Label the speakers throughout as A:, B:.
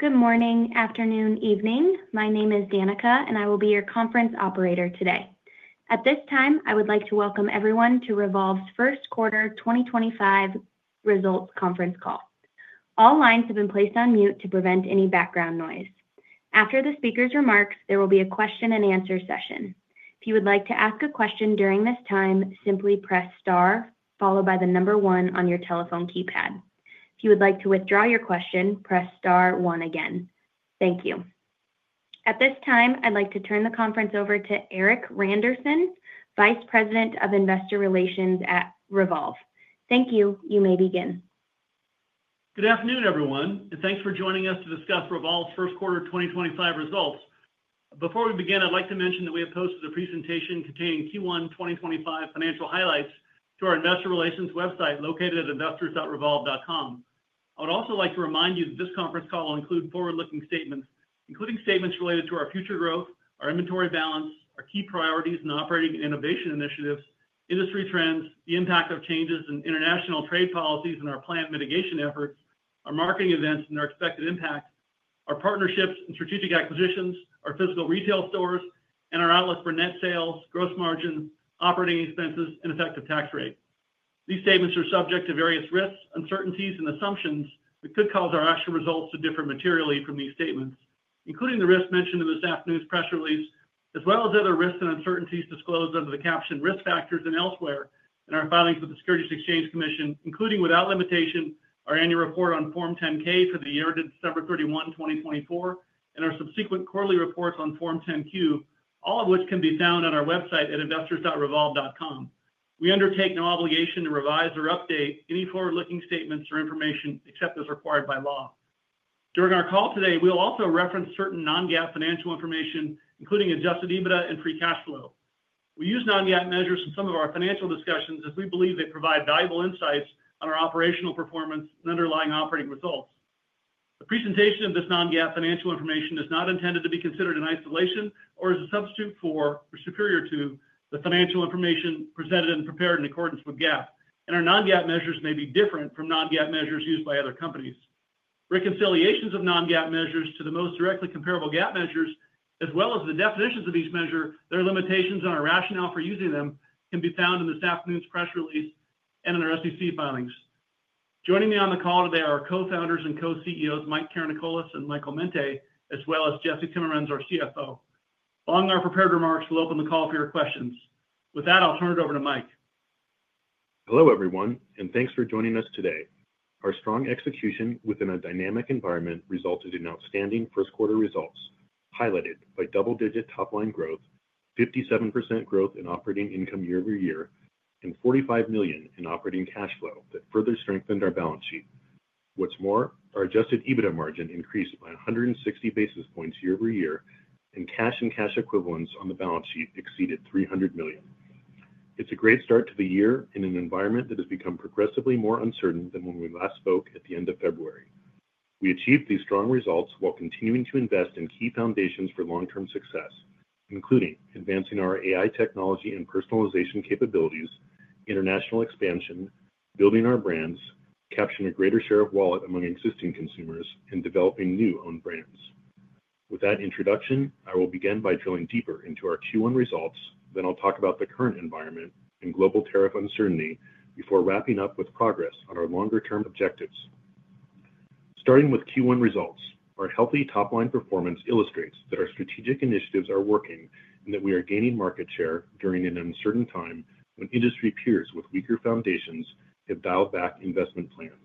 A: Good morning, afternoon, evening. My name is Danica, and I will be your conference operator today. At this time, I would like to welcome everyone to Revolve's first quarter 2025 results conference call. All lines have been placed on mute to prevent any background noise. After the speaker's remarks, there will be a question-and-answer session. If you would like to ask a question during this time, simply press star, followed by the number one on your telephone keypad. If you would like to withdraw your question, press star one again. Thank you. At this time, I'd like to turn the conference over to Erik Randerson, Vice President of Investor Relations at Revolve. Thank you. You may begin.
B: Good afternoon, everyone, and thanks for joining us to discuss Revolve's first quarter 2025 results. Before we begin, I'd like to mention that we have posted a presentation containing Q1 2025 financial highlights to our investor relations website located at investors.revolve.com. I would also like to remind you that this conference call will include forward-looking statements, including statements related to our future growth, our inventory balance, our key priorities in operating and innovation initiatives, industry trends, the impact of changes in international trade policies and our planned mitigation efforts, our marketing events and our expected impact, our partnerships and strategic acquisitions, our physical retail stores, and our outlook for net sales, gross margins, operating expenses, and effective tax rate. These statements are subject to various risks, uncertainties, and assumptions that could cause our actual results to differ materially from these statements, including the risks mentioned in this afternoon's press release, as well as other risks and uncertainties disclosed under the captioned risk factors and elsewhere in our filings with the Securities and Exchange Commission, including without limitation our annual report on Form 10-K for the year to December 31, 2024, and our subsequent quarterly reports on Form 10-Q, all of which can be found on our website at investors.revolve.com. We undertake no obligation to revise or update any forward-looking statements or information except as required by law. During our call today, we'll also reference certain non-GAAP financial information, including Adjusted EBITDA and Free Cash Flow. We use non-GAAP measures in some of our financial discussions as we believe they provide valuable insights on our operational performance and underlying operating results. The presentation of this non-GAAP financial information is not intended to be considered in isolation or as a substitute for or superior to the financial information presented and prepared in accordance with GAAP, and our non-GAAP measures may be different from non-GAAP measures used by other companies. Reconciliations of non-GAAP measures to the most directly comparable GAAP measures, as well as the definitions of each measure, their limitations and our rationale for using them, can be found in this afternoon's press release and in our SEC filings. Joining me on the call today are our Co-Founders and Co-CEOs, Mike Karanikolas and Michael Mente, as well as Jesse Timmermans, our CFO. Along with our prepared remarks, we'll open the call for your questions. With that, I'll turn it over to Mike.
C: Hello, everyone, and thanks for joining us today. Our strong execution within a dynamic environment resulted in outstanding first-quarter results highlighted by double-digit top-line growth, 57% growth in operating income year-over-year, and $45 million in operating cash flow that further strengthened our balance sheet. What's more, our Adjusted EBITDA margin increased by 160 basis points year-over-year, and cash and cash equivalents on the balance sheet exceeded $300 million. It's a great start to the year in an environment that has become progressively more uncertain than when we last spoke at the end of February. We achieved these strong results while continuing to invest in key foundations for long-term success, including advancing our AI technology and personalization capabilities, international expansion, building our brands, capturing a greater share of wallet among existing consumers, and developing new own brands. With that introduction, I will begin by drilling deeper into our Q1 results, then I'll talk about the current environment and global tariff uncertainty before wrapping up with progress on our longer-term objectives. Starting with Q1 results, our healthy top-line performance illustrates that our strategic initiatives are working and that we are gaining market share during an uncertain time when industry peers with weaker foundations have dialed back investment plans.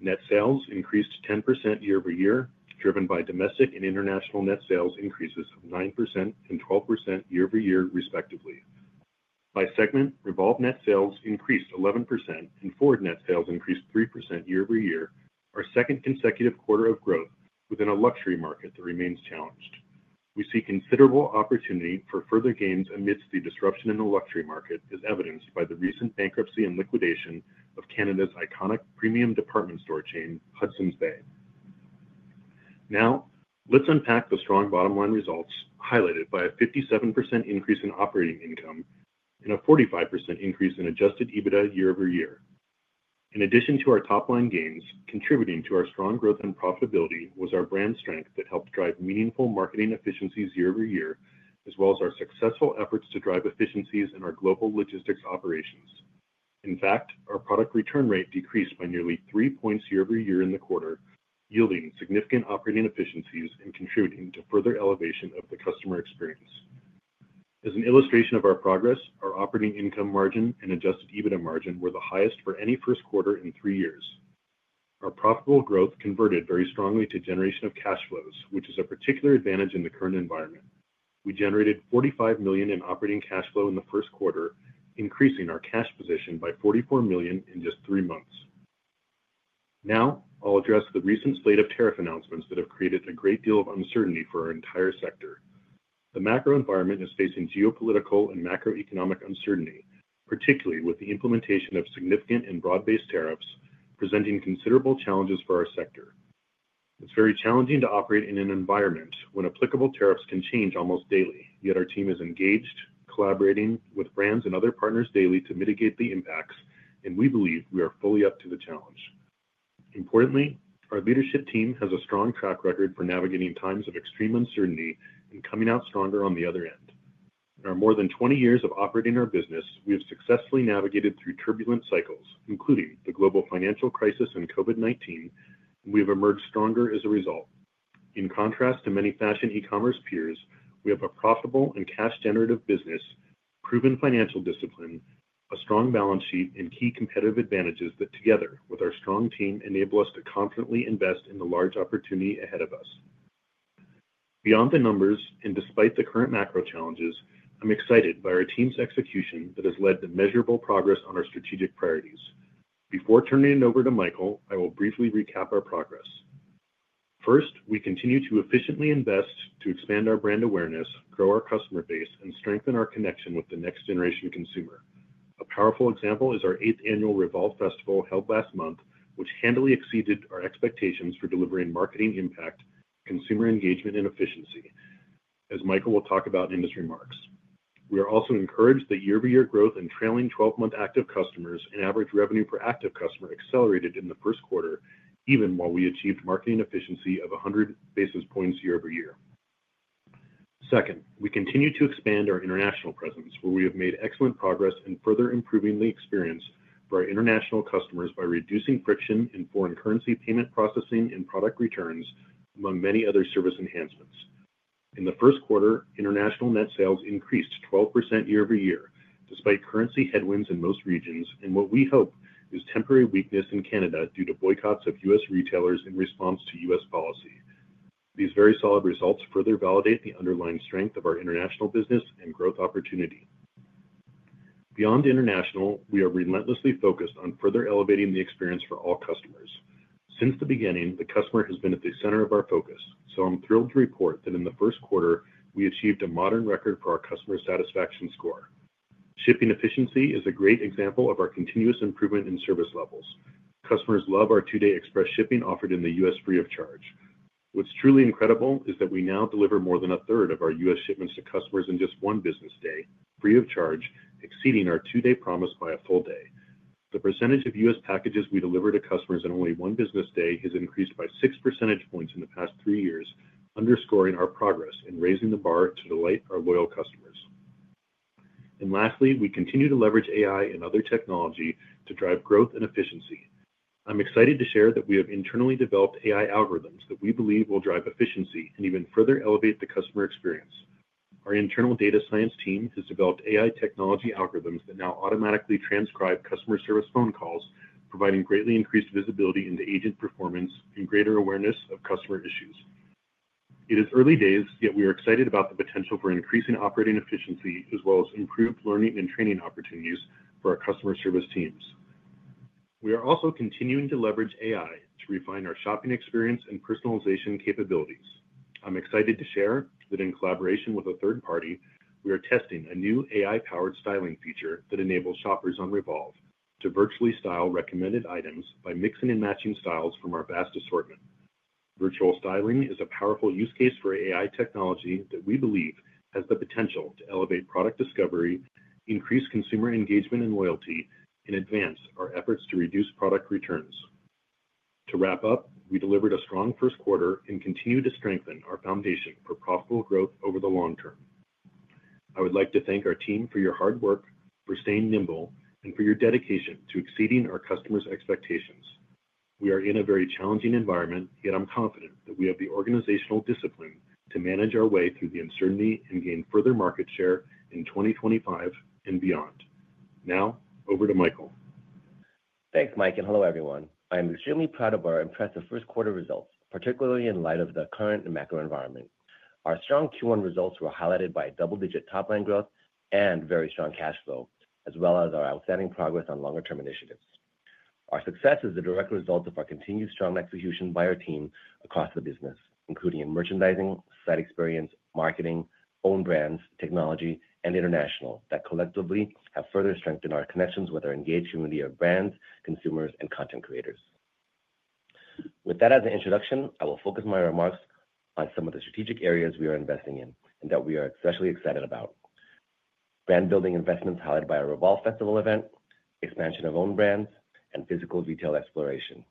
C: Net sales increased 10% year-over-year, driven by domestic and international net sales increases of 9% and 12% year-over-year, respectively. By segment, Revolve net sales increased 11% and FWRD net sales increased 3% year-over-year, our second consecutive quarter of growth within a luxury market that remains challenged. We see considerable opportunity for further gains amidst the disruption in the luxury market, as evidenced by the recent bankruptcy and liquidation of Canada's iconic premium department store chain, Hudson's Bay. Now, let's unpack the strong bottom-line results highlighted by a 57% increase in operating income and a 45% increase in Adjusted EBITDA year-over-year. In addition to our top-line gains, contributing to our strong growth and profitability was our brand strength that helped drive meaningful marketing efficiencies year-over-year, as well as our successful efforts to drive efficiencies in our global logistics operations. In fact, our product return rate decreased by nearly three percentage points year-over-year in the quarter, yielding significant operating efficiencies and contributing to further elevation of the customer experience. As an illustration of our progress, our operating income margin and Adjusted EBITDA margin were the highest for any first quarter in three years. Our profitable growth converted very strongly to generation of cash flows, which is a particular advantage in the current environment. We generated $45 million in operating cash flow in the first quarter, increasing our cash position by $44 million in just three months. Now, I'll address the recent slate of tariff announcements that have created a great deal of uncertainty for our entire sector. The macro environment is facing geopolitical and macroeconomic uncertainty, particularly with the implementation of significant and broad-based tariffs presenting considerable challenges for our sector. It's very challenging to operate in an environment when applicable tariffs can change almost daily, yet our team is engaged, collaborating with brands and other partners daily to mitigate the impacts, and we believe we are fully up to the challenge. Importantly, our leadership team has a strong track record for navigating times of extreme uncertainty and coming out stronger on the other end. In our more than 20 years of operating our business, we have successfully navigated through turbulent cycles, including the global financial crisis and COVID-19, and we have emerged stronger as a result. In contrast to many fashion e-commerce peers, we have a profitable and cash-generative business, proven financial discipline, a strong balance sheet, and key competitive advantages that, together with our strong team, enable us to confidently invest in the large opportunity ahead of us. Beyond the numbers and despite the current macro challenges, I'm excited by our team's execution that has led to measurable progress on our strategic priorities. Before turning it over to Michael, I will briefly recap our progress. First, we continue to efficiently invest to expand our brand awareness, grow our customer base, and strengthen our connection with the next-generation consumer. A powerful example is our 8th Annual REVOLVE Festival held last month, which handily exceeded our expectations for delivering marketing impact, consumer engagement, and efficiency, as Michael will talk about in his remarks. We are also encouraged that year-over-year growth in trailing 12-month active customers and average revenue per active customer accelerated in the first quarter, even while we achieved marketing efficiency of 100 basis points year-over-year. Second, we continue to expand our international presence, where we have made excellent progress in further improving the experience for our international customers by reducing friction in foreign currency payment processing and product returns, among many other service enhancements. In the first quarter, international net sales increased 12% year-over-year, despite currency headwinds in most regions, and what we hope is temporary weakness in Canada due to boycotts of U.S. retailers in response to U.S. policy. These very solid results further validate the underlying strength of our international business and growth opportunity. Beyond international, we are relentlessly focused on further elevating the experience for all customers. Since the beginning, the customer has been at the center of our focus, so I'm thrilled to report that in the first quarter, we achieved a modern record for our customer satisfaction score. Shipping efficiency is a great example of our continuous improvement in service levels. Customers love our two-day express shipping offered in the U.S. free of charge. What's truly incredible is that we now deliver more than a third of our U.S. Shipments to customers in just one business day, free of charge, exceeding our two-day promise by a full day. The percentage of U.S. packages we deliver to customers in only one business day has increased by six percentage points in the past three years, underscoring our progress in raising the bar to delight our loyal customers. Lastly, we continue to leverage AI and other technology to drive growth and efficiency. I'm excited to share that we have internally developed AI algorithms that we believe will drive efficiency and even further elevate the customer experience. Our internal data science team has developed AI technology algorithms that now automatically transcribe customer service phone calls, providing greatly increased visibility into agent performance and greater awareness of customer issues. It is early days, yet we are excited about the potential for increasing operating efficiency, as well as improved learning and training opportunities for our customer service teams. We are also continuing to leverage AI to refine our shopping experience and personalization capabilities. I'm excited to share that in collaboration with a third party, we are testing a new AI-powered styling feature that enables shoppers on Revolve to virtually style recommended items by mixing and matching styles from our vast assortment. Virtual styling is a powerful use case for AI technology that we believe has the potential to elevate product discovery, increase consumer engagement and loyalty, and advance our efforts to reduce product returns. To wrap up, we delivered a strong first quarter and continue to strengthen our foundation for profitable growth over the long term. I would like to thank our team for your hard work, for staying nimble, and for your dedication to exceeding our customers' expectations. We are in a very challenging environment, yet I'm confident that we have the organizational discipline to manage our way through the uncertainty and gain further market share in 2025 and beyond. Now, over to Michael.
D: Thanks, Mike, and hello, everyone. I am extremely proud of our impressive first-quarter results, particularly in light of the current macro environment. Our strong Q1 results were highlighted by double-digit top-line growth and very strong cash flow, as well as our outstanding progress on longer-term initiatives. Our success is a direct result of our continued strong execution by our team across the business, including in merchandising, site experience, marketing, own brands, technology, and international, that collectively have further strengthened our connections with our engaged community of brands, consumers, and content creators. With that as an introduction, I will focus my remarks on some of the strategic areas we are investing in and that we are especially excited about: brand-building investments highlighted by our Revolve Festival event, expansion of own brands, and physical retail exploration.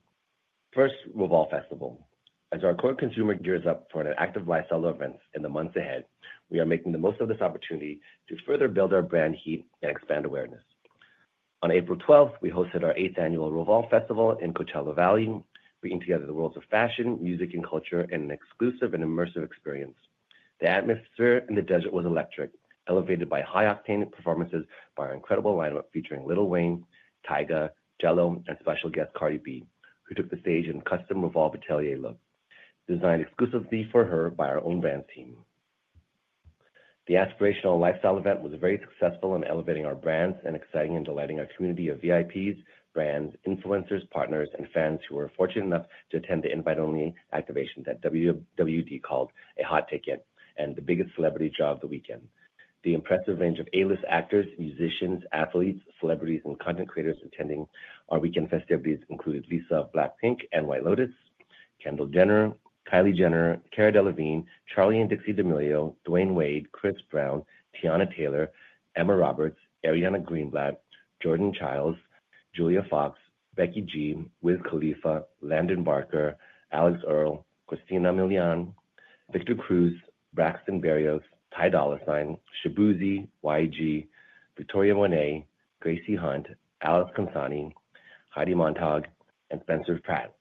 D: First, Revolve Festival. As our core consumer gears up for an active live seller event in the months ahead, we are making the most of this opportunity to further build our brand heat and expand awareness. On April 12, we hosted our 8th Annual REVOLVE Festival in Coachella Valley, bringing together the worlds of fashion, music, and culture in an exclusive and immersive experience. The atmosphere in the desert was electric, elevated by high-octane performances by our incredible lineup featuring Lil Wayne, Tyga, Jello, and special guest Cardi B, who took the stage in a custom Revolve atelier look, designed exclusively for her by our own brand team. The aspirational lifestyle event was very successful in elevating our brands and exciting and delighting our community of VIPs, brands, influencers, partners, and fans who were fortunate enough to attend the invite-only activations that WWD called a hot ticket and the biggest celebrity job of the weekend. The impressive range of A-list actors, musicians, athletes, celebrities, and content creators attending our weekend festivities included Lisa of Blackpink and White Lotus, Kendall Jenner, Kylie Jenner, Cara Delevingne, Charli and Dixie D'Amelio, Dwyane Wade, Chris Brown, Teyana Taylor, Emma Roberts, Ariana Greenblatt, Jordan Chiles, Julia Fox, Becky G, Wiz Khalifa, Landon Barker, Alix Earle, Christina Milian, Victor Cruz, Braxton Berrios, Ty Dolla $ign, Shaboozey, YG, Victoria Monét, Gracie Hunt, Alex Consonni, Heidi Montag, and Spencer Pratt.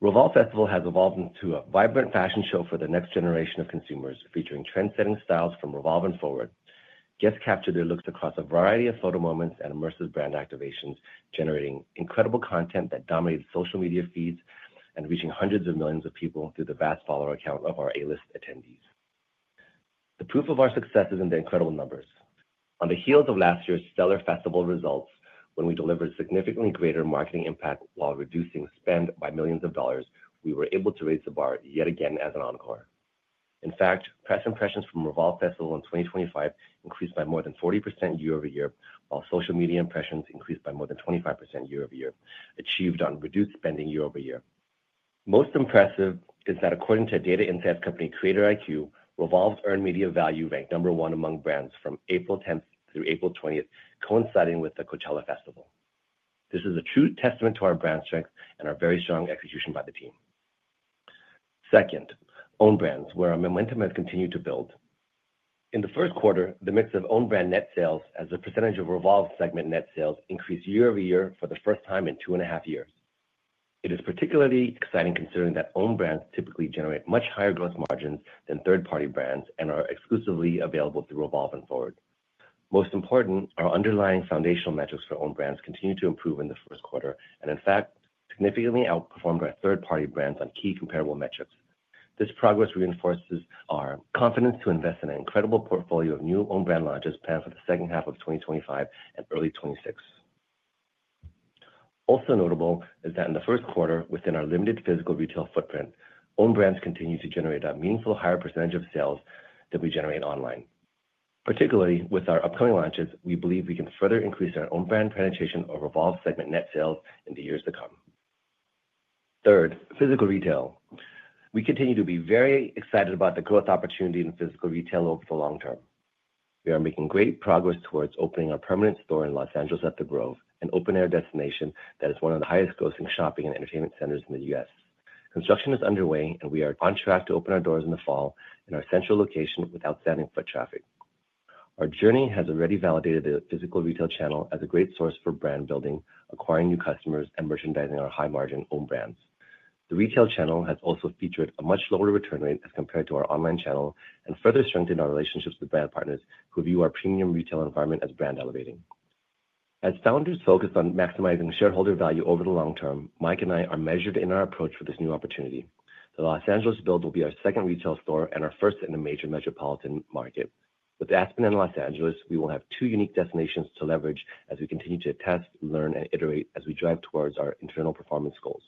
D: Revolve Festival has evolved into a vibrant fashion show for the next generation of consumers, featuring trendsetting styles from Revolve and FWRD. Guests captured their looks across a variety of photo moments and immersive brand activations, generating incredible content that dominated social media feeds and reaching hundreds of millions of people through the vast follower count of our A-list attendees. The proof of our success is in the incredible numbers. On the heels of last year's stellar festival results, when we delivered significantly greater marketing impact while reducing spend by millions of dollars, we were able to raise the bar yet again as an encore. In fact, press impressions from Revolve Festival in 2025 increased by more than 40% year-over-year, while social media impressions increased by more than 25% year-over-year, achieved on reduced spending year-over-year. Most impressive is that, according to data insights company CreatorIQ, Revolve's earned media value ranked number one among brands from April 10 through April 20, coinciding with the Coachella Festival. This is a true testament to our brand strength and our very strong execution by the team. Second, own brands, where our momentum has continued to build. In the first quarter, the mix of own brand net sales as a percentage of Revolve segment net sales increased year-over-year for the first time in two and a half years. It is particularly exciting considering that own brands typically generate much higher gross margins than third-party brands and are exclusively available through Revolve and FWRD. Most important, our underlying foundational metrics for own brands continued to improve in the first quarter and, in fact, significantly outperformed our third-party brands on key comparable metrics. This progress reinforces our confidence to invest in an incredible portfolio of new own brand launches planned for the second half of 2025 and early 2026. Also notable is that in the first quarter, within our limited physical retail footprint, own brands continue to generate a meaningfully higher percentage of sales than we generate online. Particularly with our upcoming launches, we believe we can further increase our own brand penetration or Revolve segment net sales in the years to come. Third, physical retail. We continue to be very excited about the growth opportunity in physical retail over the long term. We are making great progress towards opening our permanent store in Los Angeles at The Grove, an open-air destination that is one of the highest-grossing shopping and entertainment centers in the U.S. Construction is underway, and we are on track to open our doors in the fall in our central location with outstanding foot traffic. Our journey has already validated the physical retail channel as a great source for brand building, acquiring new customers, and merchandising our high-margin own brands. The retail channel has also featured a much lower return rate as compared to our online channel and further strengthened our relationships with brand partners who view our premium retail environment as brand-elevating. As founders focus on maximizing shareholder value over the long term, Mike and I are measured in our approach for this new opportunity. The Los Angeles build will be our second retail store and our first in a major metropolitan market. With Aspen and Los Angeles, we will have two unique destinations to leverage as we continue to test, learn, and iterate as we drive towards our internal performance goals.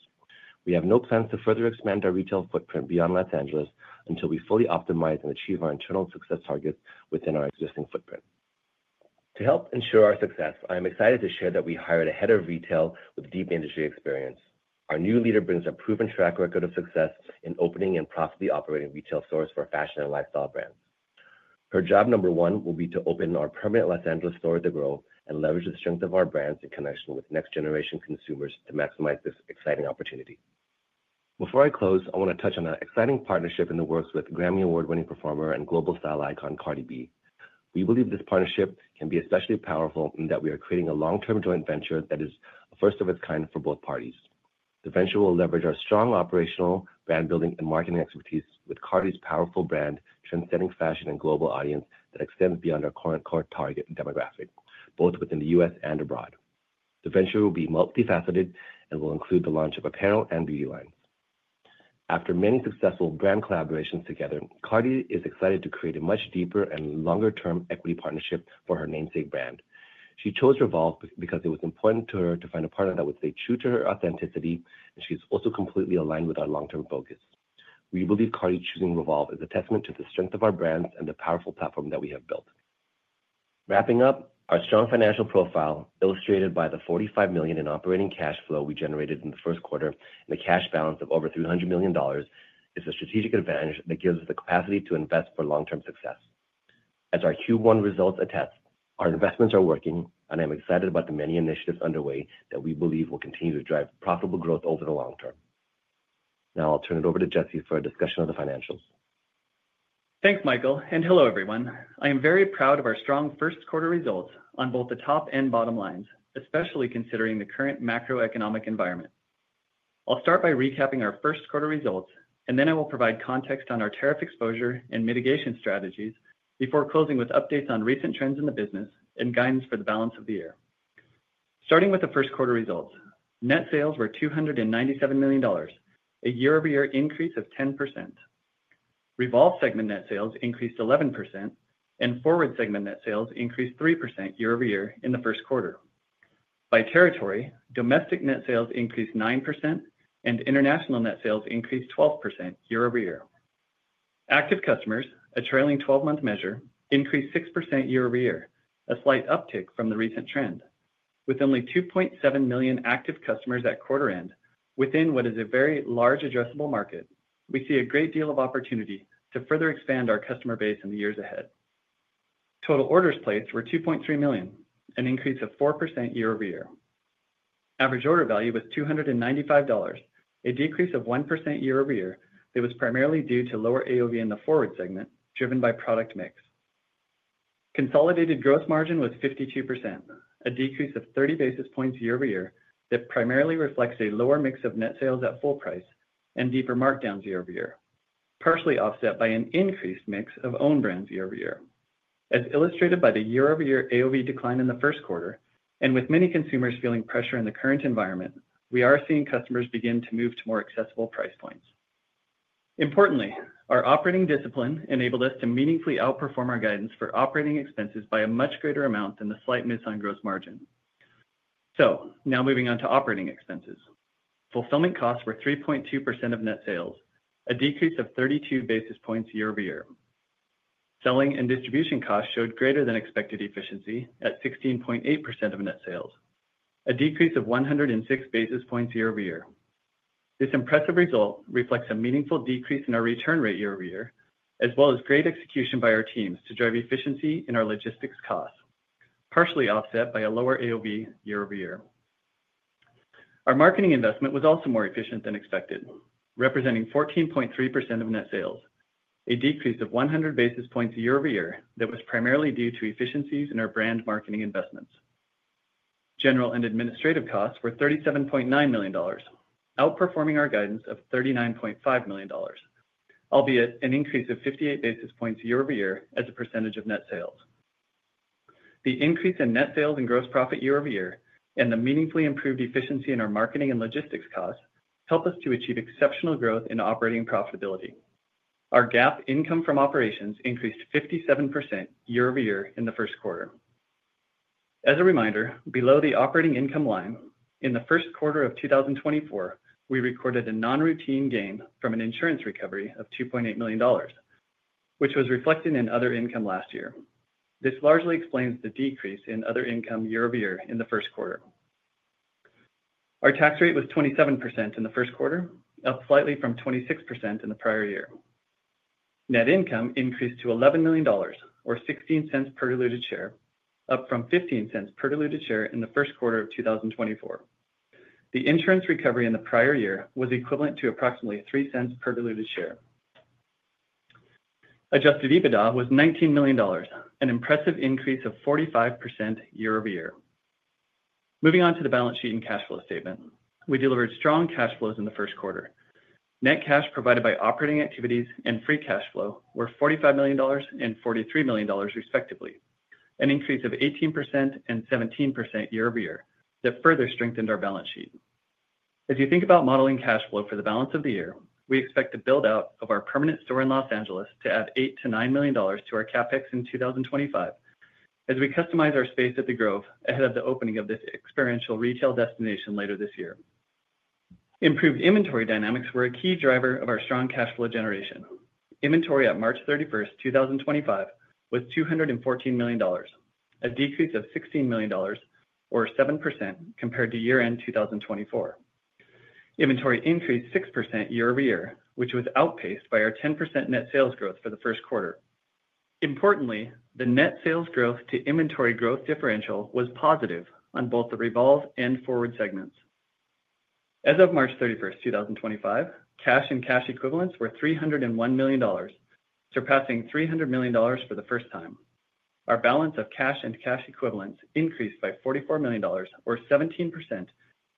D: We have no plans to further expand our retail footprint beyond Los Angeles until we fully optimize and achieve our internal success targets within our existing footprint. To help ensure our success, I am excited to share that we hired a Head of Retail with deep industry experience. Our new leader brings a proven track record of success in opening and profitably operating retail stores for fashion and lifestyle brands. Her job number one will be to open our permanent Los Angeles store at The Grove and leverage the strength of our brands in connection with next-generation consumers to maximize this exciting opportunity. Before I close, I want to touch on an exciting partnership in the works with Grammy Award-winning performer and global style icon Cardi B. We believe this partnership can be especially powerful in that we are creating a long-term joint venture that is a first of its kind for both parties. The venture will leverage our strong operational, brand-building, and marketing expertise with Cardi's powerful brand, transcending fashion and global audience that extends beyond our current core target demographic, both within the U.S. and abroad. The venture will be multifaceted and will include the launch of apparel and beauty lines. After many successful brand collaborations together, Cardi is excited to create a much deeper and longer-term equity partnership for her namesake brand. She chose Revolve because it was important to her to find a partner that would stay true to her authenticity, and she is also completely aligned with our long-term focus. We believe Cardi choosing Revolve is a testament to the strength of our brands and the powerful platform that we have built. Wrapping up, our strong financial profile, illustrated by the $45 million in operating cash flow we generated in the first quarter and a cash balance of over $300 million, is a strategic advantage that gives us the capacity to invest for long-term success. As our Q1 results attest, our investments are working, and I'm excited about the many initiatives underway that we believe will continue to drive profitable growth over the long term. Now, I'll turn it over to Jesse for a discussion of the financials.
E: Thanks, Michael, and hello, everyone. I am very proud of our strong first-quarter results on both the top and bottom lines, especially considering the current macroeconomic environment. I'll start by recapping our first-quarter results, and then I will provide context on our tariff exposure and mitigation strategies before closing with updates on recent trends in the business and guidance for the balance of the year. Starting with the first-quarter results, net sales were $297 million, a year-over-year increase of 10%. Revolve segment net sales increased 11%, and FWRD segment net sales increased 3% year-over-year in the first quarter. By territory, domestic net sales increased 9%, and international net sales increased 12% year-over-year. Active customers, a trailing 12-month measure, increased 6% year-over-year, a slight uptick from the recent trend. With only 2.7 million active customers at quarter-end, within what is a very large addressable market, we see a great deal of opportunity to further expand our customer base in the years ahead. Total orders placed were 2.3 million, an increase of 4% year-over-year. Average order value was $295, a decrease of 1% year-over-year that was primarily due to lower AOV in the FWRD segment driven by product mix. Consolidated gross margin was 52%, a decrease of 30 basis points year-over-year that primarily reflects a lower mix of net sales at full price and deeper markdowns year-over-year, partially offset by an increased mix of own brands year-over-year. As illustrated by the year-over-year AOV decline in the first quarter, and with many consumers feeling pressure in the current environment, we are seeing customers begin to move to more accessible price points. Importantly, our operating discipline enabled us to meaningfully outperform our guidance for operating expenses by a much greater amount than the slight miss on gross margin. Now moving on to operating expenses. Fulfillment costs were 3.2% of net sales, a decrease of 32 basis points year-over-year. Selling and distribution costs showed greater than expected efficiency at 16.8% of net sales, a decrease of 106 basis points year-over-year. This impressive result reflects a meaningful decrease in our return rate year-over-year, as well as great execution by our teams to drive efficiency in our logistics costs, partially offset by a lower AOV year-over-year. Our marketing investment was also more efficient than expected, representing 14.3% of net sales, a decrease of 100 basis points year-over-year that was primarily due to efficiencies in our brand marketing investments. General and administrative costs were $37.9 million, outperforming our guidance of $39.5 million, albeit an increase of 58 basis points year-over-year as a percentage of net sales. The increase in net sales and gross profit year-over-year and the meaningfully improved efficiency in our marketing and logistics costs help us to achieve exceptional growth in operating profitability. Our GAAP income from operations increased 57% year-over-year in the first quarter. As a reminder, below the operating income line, in the first quarter of 2024, we recorded a non-routine gain from an insurance recovery of $2.8 million, which was reflected in other income last year. This largely explains the decrease in other income year-over-year in the first quarter. Our tax rate was 27% in the first quarter, up slightly from 26% in the prior year. Net income increased to $11 million, or $0.16 per diluted share, up from $0.15 per diluted share in the first quarter of 2024. The insurance recovery in the prior year was equivalent to approximately $0.03 per diluted share. Adjusted EBITDA was $19 million, an impressive increase of 45% year-over-year. Moving on to the balance sheet and cash flow statement, we delivered strong cash flows in the first quarter. Net cash provided by operating activities and Free Cash Flow were $45 million and $43 million, respectively, an increase of 18% and 17% year-over-year that further strengthened our balance sheet. As you think about modeling cash flow for the balance of the year, we expect the build-out of our permanent store in Los Angeles to add $8-$9 million to our CapEx in 2025 as we customize our space at the Grove ahead of the opening of this experiential retail destination later this year. Improved inventory dynamics were a key driver of our strong cash flow generation. Inventory at March 31, 2025, was $214 million, a decrease of $16 million, or 7% compared to year-end 2024. Inventory increased 6% year-over-year, which was outpaced by our 10% net sales growth for the first quarter. Importantly, the net sales growth to inventory growth differential was positive on both the Revolve and FWRD segments. As of March 31, 2025, cash and cash equivalents were $301 million, surpassing $300 million for the first time. Our balance of cash and cash equivalents increased by $44 million, or 17%,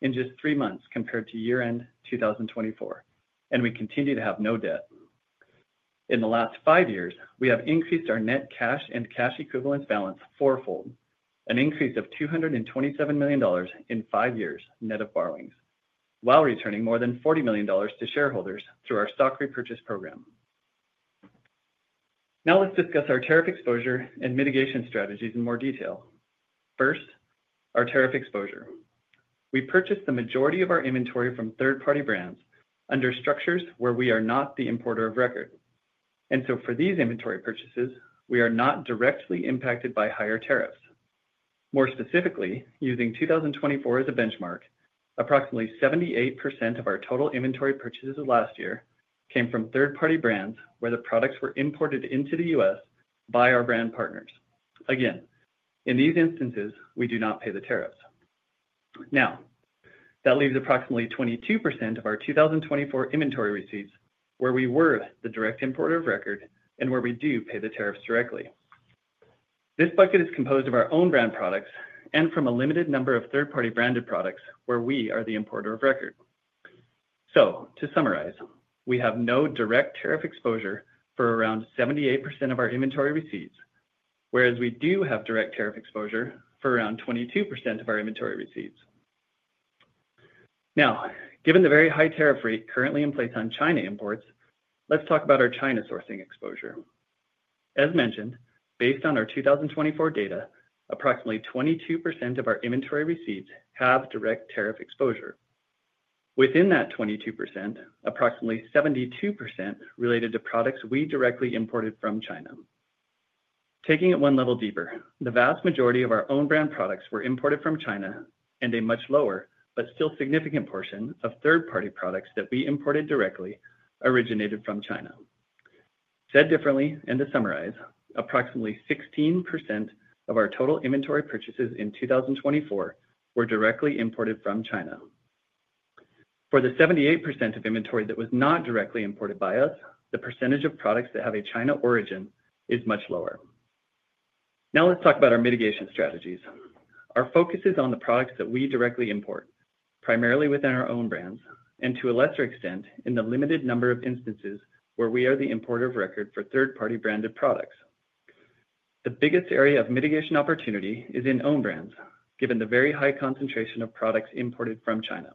E: in just three months compared to year-end 2024, and we continue to have no debt. In the last five years, we have increased our net cash and cash equivalents balance four-fold, an increase of $227 million in five years net of borrowings, while returning more than $40 million to shareholders through our stock repurchase program. Now let's discuss our tariff exposure and mitigation strategies in more detail. First, our tariff exposure. We purchased the majority of our inventory from third-party brands under structures where we are not the importer of record. For these inventory purchases, we are not directly impacted by higher tariffs. More specifically, using 2024 as a benchmark, approximately 78% of our total inventory purchases last year came from third-party brands where the products were imported into the U.S. by our brand partners. Again, in these instances, we do not pay the tariffs. Now, that leaves approximately 22% of our 2024 inventory receipts where we were the direct importer of record and where we do pay the tariffs directly. This bucket is composed of our own brand products and from a limited number of third-party branded products where we are the importer of record. To summarize, we have no direct tariff exposure for around 78% of our inventory receipts, whereas we do have direct tariff exposure for around 22% of our inventory receipts. Now, given the very high tariff rate currently in place on China imports, let's talk about our China sourcing exposure. As mentioned, based on our 2024 data, approximately 22% of our inventory receipts have direct tariff exposure. Within that 22%, approximately 72% related to products we directly imported from China. Taking it one level deeper, the vast majority of our own brand products were imported from China, and a much lower but still significant portion of third-party products that we imported directly originated from China. Said differently, and to summarize, approximately 16% of our total inventory purchases in 2024 were directly imported from China. For the 78% of inventory that was not directly imported by us, the percentage of products that have a China origin is much lower. Now let's talk about our mitigation strategies. Our focus is on the products that we directly import, primarily within our own brands, and to a lesser extent in the limited number of instances where we are the importer of record for third-party branded products. The biggest area of mitigation opportunity is in own brands, given the very high concentration of products imported from China.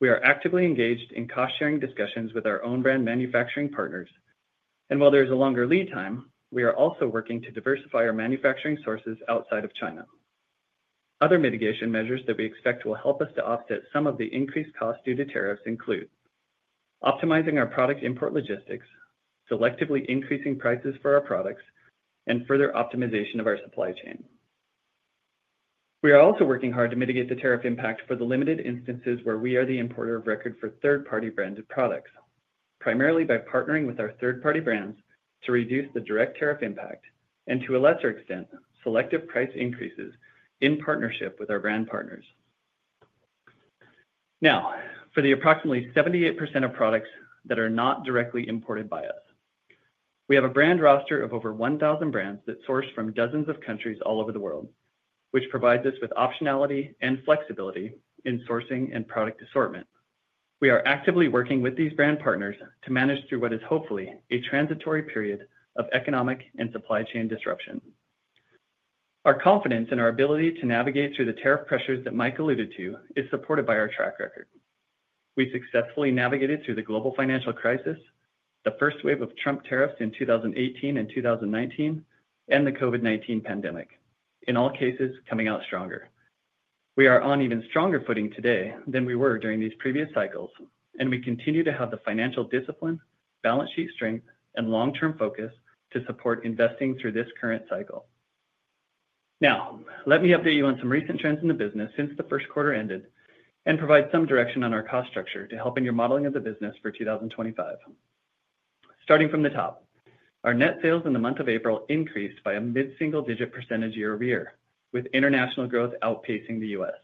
E: We are actively engaged in cost-sharing discussions with our own brand manufacturing partners, and while there is a longer lead time, we are also working to diversify our manufacturing sources outside of China. Other mitigation measures that we expect will help us to offset some of the increased costs due to tariffs include optimizing our product import logistics, selectively increasing prices for our products, and further optimization of our supply chain. We are also working hard to mitigate the tariff impact for the limited instances where we are the importer of record for third-party branded products, primarily by partnering with our third-party brands to reduce the direct tariff impact and, to a lesser extent, selective price increases in partnership with our brand partners. Now, for the approximately 78% of products that are not directly imported by us, we have a brand roster of over 1,000 brands that source from dozens of countries all over the world, which provides us with optionality and flexibility in sourcing and product assortment. We are actively working with these brand partners to manage through what is hopefully a transitory period of economic and supply chain disruption. Our confidence in our ability to navigate through the tariff pressures that Mike alluded to is supported by our track record. We successfully navigated through the global financial crisis, the first wave of Trump tariffs in 2018 and 2019, and the COVID-19 pandemic, in all cases coming out stronger. We are on even stronger footing today than we were during these previous cycles, and we continue to have the financial discipline, balance sheet strength, and long-term focus to support investing through this current cycle. Now, let me update you on some recent trends in the business since the first quarter ended and provide some direction on our cost structure to help in your modeling of the business for 2025. Starting from the top, our net sales in the month of April increased by a mid-single-digit % year-over-year, with international growth outpacing the U.S.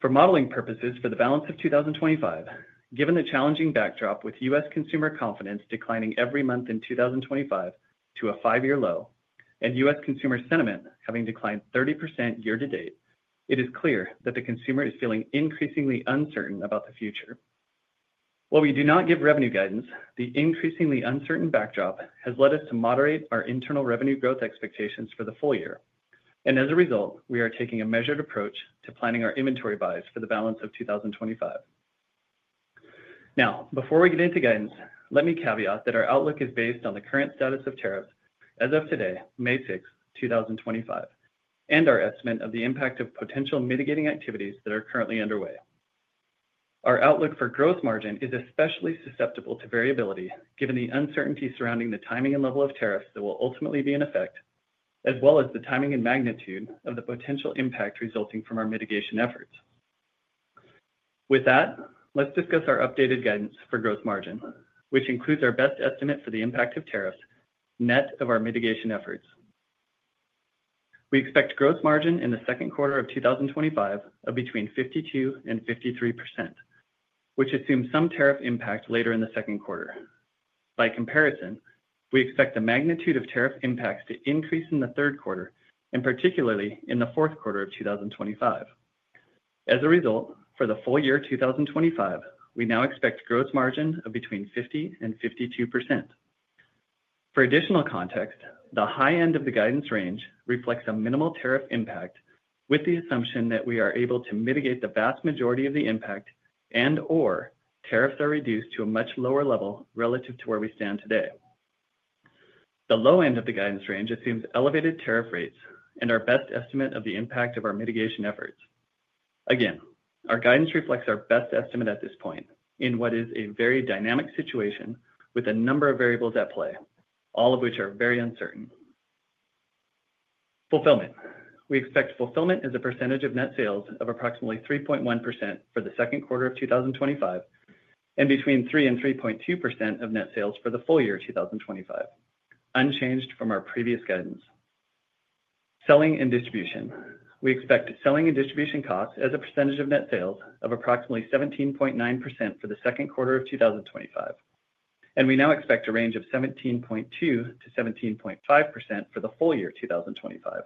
E: For modeling purposes for the balance of 2025, given the challenging backdrop with U.S. consumer confidence declining every month in 2025 to a five-year low and U.S. consumer sentiment having declined 30% year-to-date, it is clear that the consumer is feeling increasingly uncertain about the future. While we do not give revenue guidance, the increasingly uncertain backdrop has led us to moderate our internal revenue growth expectations for the full year, and as a result, we are taking a measured approach to planning our inventory buys for the balance of 2025. Now, before we get into guidance, let me caveat that our outlook is based on the current status of tariffs as of today, May 6, 2025, and our estimate of the impact of potential mitigating activities that are currently underway. Our outlook for gross margin is especially susceptible to variability given the uncertainty surrounding the timing and level of tariffs that will ultimately be in effect, as well as the timing and magnitude of the potential impact resulting from our mitigation efforts. With that, let's discuss our updated guidance for gross margin, which includes our best estimate for the impact of tariffs net of our mitigation efforts. We expect gross margin in the second quarter of 2025 of between 52% and 53%, which assumes some tariff impact later in the second quarter. By comparison, we expect the magnitude of tariff impacts to increase in the third quarter, and particularly in the fourth quarter of 2025. As a result, for the full year 2025, we now expect gross margin of between 50% and 52%. For additional context, the high end of the guidance range reflects a minimal tariff impact with the assumption that we are able to mitigate the vast majority of the impact and/or tariffs are reduced to a much lower level relative to where we stand today. The low end of the guidance range assumes elevated tariff rates and our best estimate of the impact of our mitigation efforts. Again, our guidance reflects our best estimate at this point in what is a very dynamic situation with a number of variables at play, all of which are very uncertain. Fulfillment. We expect fulfillment as a percentage of net sales of approximately 3.1% for the second quarter of 2025 and between 3%-3.2% of net sales for the full year 2025, unchanged from our previous guidance. Selling and distribution. We expect selling and distribution costs as a percentage of net sales of approximately 17.9% for the second quarter of 2025, and we now expect a range of 17.2%-17.5% for the full year 2025.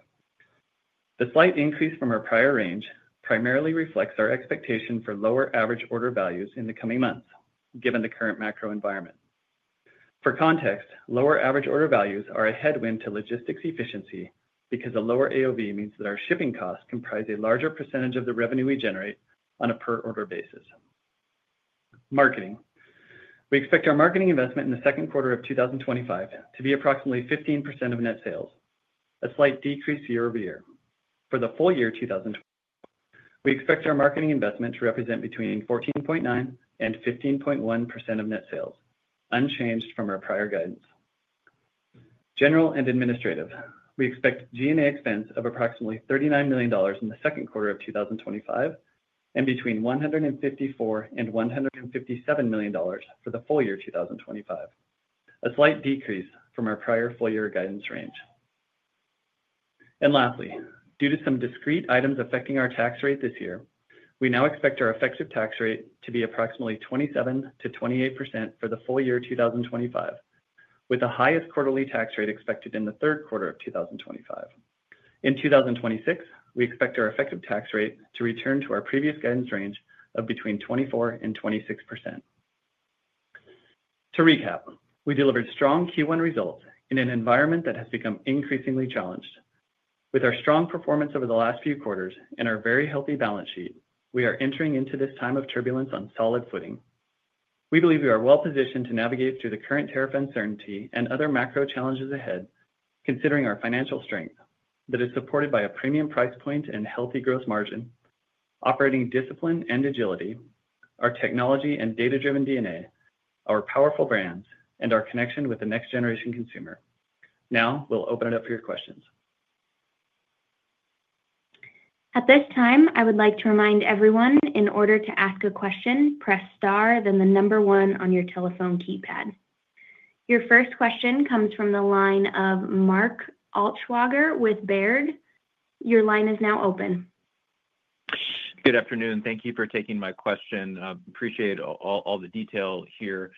E: The slight increase from our prior range primarily reflects our expectation for lower average order values in the coming months, given the current macro environment. For context, lower average order values are a headwind to logistics efficiency because a lower AOV means that our shipping costs comprise a larger percentage of the revenue we generate on a per-order basis. Marketing. We expect our marketing investment in the second quarter of 2025 to be approximately 15% of net sales, a slight decrease year-over-year. For the full year 2025, we expect our marketing investment to represent between 14.9%-15.1% of net sales, unchanged from our prior guidance. General and administrative. We expect G&A expense of approximately $39 million in the second quarter of 2025 and between $154 million-$157 million for the full year 2025, a slight decrease from our prior full-year guidance range. Lastly, due to some discrete items affecting our tax rate this year, we now expect our effective tax rate to be approximately 27%-28% for the full year 2025, with the highest quarterly tax rate expected in the third quarter of 2025. In 2026, we expect our effective tax rate to return to our previous guidance range of 24%-26%. To recap, we delivered strong Q1 results in an environment that has become increasingly challenged. With our strong performance over the last few quarters and our very healthy balance sheet, we are entering into this time of turbulence on solid footing. We believe we are well-positioned to navigate through the current tariff uncertainty and other macro challenges ahead, considering our financial strength that is supported by a premium price point and healthy gross margin, operating discipline and agility, our technology and data-driven DNA, our powerful brands, and our connection with the next-generation consumer. Now, we'll open it up for your questions.
A: At this time, I would like to remind everyone, in order to ask a question, press star, then the number one on your telephone keypad. Your first question comes from the line of Mark Altschwager with Baird. Your line is now open.
F: Good afternoon. Thank you for taking my question. Appreciate all the detail here.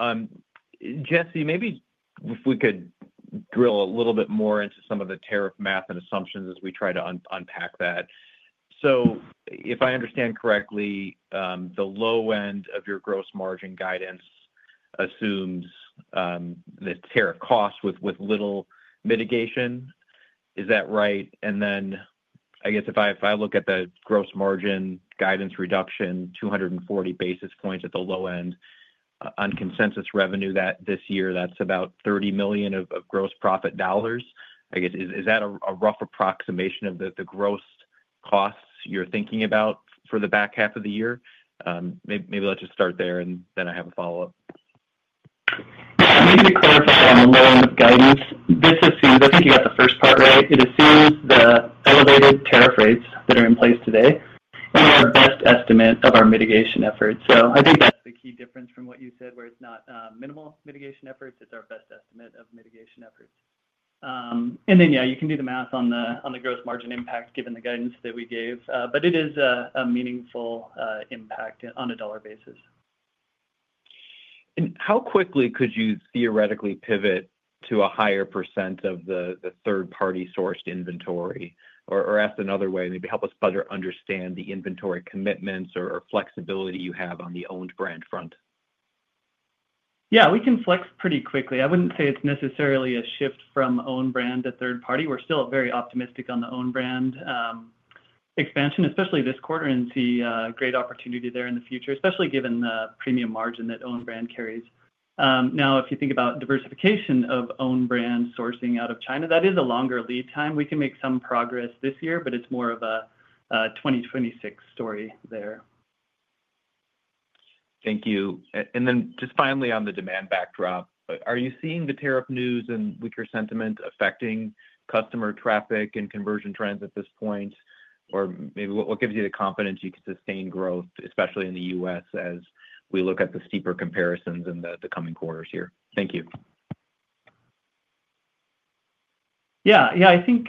F: Jesse, maybe if we could drill a little bit more into some of the tariff math and assumptions as we try to unpack that. If I understand correctly, the low end of your gross margin guidance assumes the tariff costs with little mitigation. Is that right? I guess if I look at the gross margin guidance reduction, 240 basis points at the low end on consensus revenue this year, that's about $30 million of gross profit dollars. I guess, is that a rough approximation of the gross costs you're thinking about for the back half of the year? Maybe let's just start there, and then I have a follow-up.
E: Let me clarify on the low end of guidance. This assumes—I think you got the first part right—it assumes the elevated tariff rates that are in place today are our best estimate of our mitigation efforts. I think that's the key difference from what you said, where it's not minimal mitigation efforts. It's our best estimate of mitigation efforts. Yeah, you can do the math on the gross margin impact given the guidance that we gave, but it is a meaningful impact on a dollar basis.
F: How quickly could you theoretically pivot to a higher % of the third-party sourced inventory? Or asked another way, maybe help us better understand the inventory commitments or flexibility you have on the owned brand front.
E: Yeah, we can flex pretty quickly. I would not say it is necessarily a shift from owned brand to third-party. We are still very optimistic on the owned brand expansion, especially this quarter, and see great opportunity there in the future, especially given the premium margin that owned brand carries. Now, if you think about diversification of owned brand sourcing out of China, that is a longer lead time. We can make some progress this year, but it is more of a 2026 story there.
F: Thank you. And then just finally on the demand backdrop, are you seeing the tariff news and weaker sentiment affecting customer traffic and conversion trends at this point? Or maybe what gives you the confidence you can sustain growth, especially in the U.S., as we look at the steeper comparisons in the coming quarters here? Thank you.
E: Yeah, yeah, I think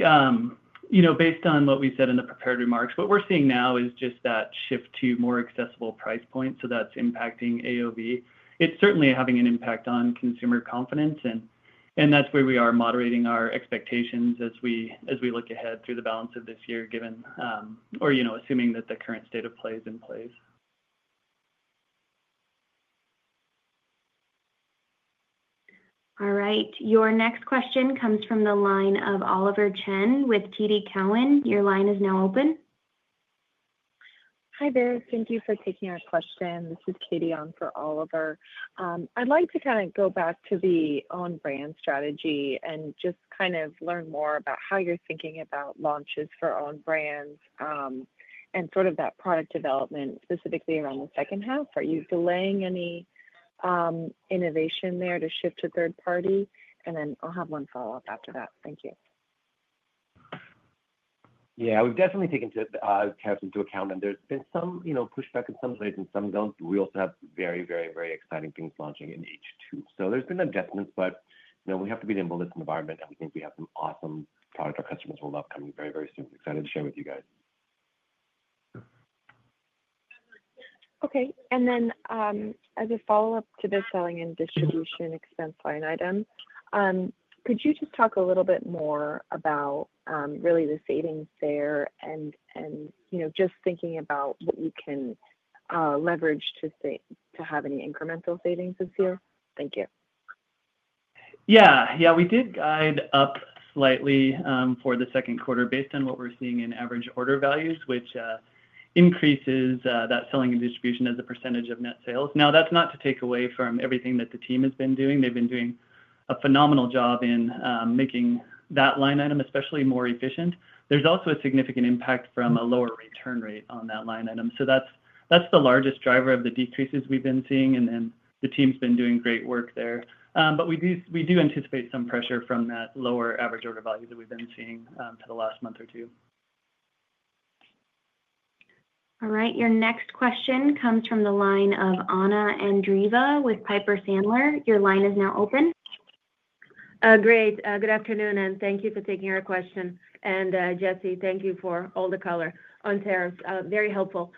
E: based on what we said in the prepared remarks, what we're seeing now is just that shift to more accessible price points. So that's impacting AOV. It's certainly having an impact on consumer confidence, and that's where we are moderating our expectations as we look ahead through the balance of this year, given or assuming that the current state of play is in place.
A: All right. Your next question comes from the line of Oliver Chen with TD Cowen. Your line is now open.
G: Hi there. Thank you for taking our question. This is Katie on for Oliver. I'd like to kind of go back to the owned brand strategy and just kind of learn more about how you're thinking about launches for owned brands and sort of that product development specifically around the second half. Are you delaying any innovation there to shift to third-party? And then I'll have one follow-up after that. Thank you.
E: Yeah, we've definitely taken tariffs into account, and there's been some pushback in some ways, and some don't. We also have very, very, very exciting things launching in H2. There have been adjustments, but we have to be in a bulletin environment, and we think we have some awesome product our customers will love coming very, very soon. Excited to share with you guys. Okay.
G: As a follow-up to the selling and distribution expense line item, could you just talk a little bit more about really the savings there and just thinking about what you can leverage to have any incremental savings this year? Thank you.
E: Yeah, yeah, we did guide up slightly for the second quarter based on what we're seeing in average order values, which increases that selling and distribution as a percentage of net sales. Now, that's not to take away from everything that the team has been doing. They've been doing a phenomenal job in making that line item especially more efficient. There's also a significant impact from a lower return rate on that line item. That's the largest driver of the decreases we've been seeing, and then the team's been doing great work there. We do anticipate some pressure from that lower average order value that we've been seeing for the last month or two.
A: All right. Your next question comes from the line of Anna Andreeva with Piper Sandler. Your line is now open.
H: Great. Good afternoon, and thank you for taking our question. And Jesse, thank you for all the color on tariffs. Very helpful.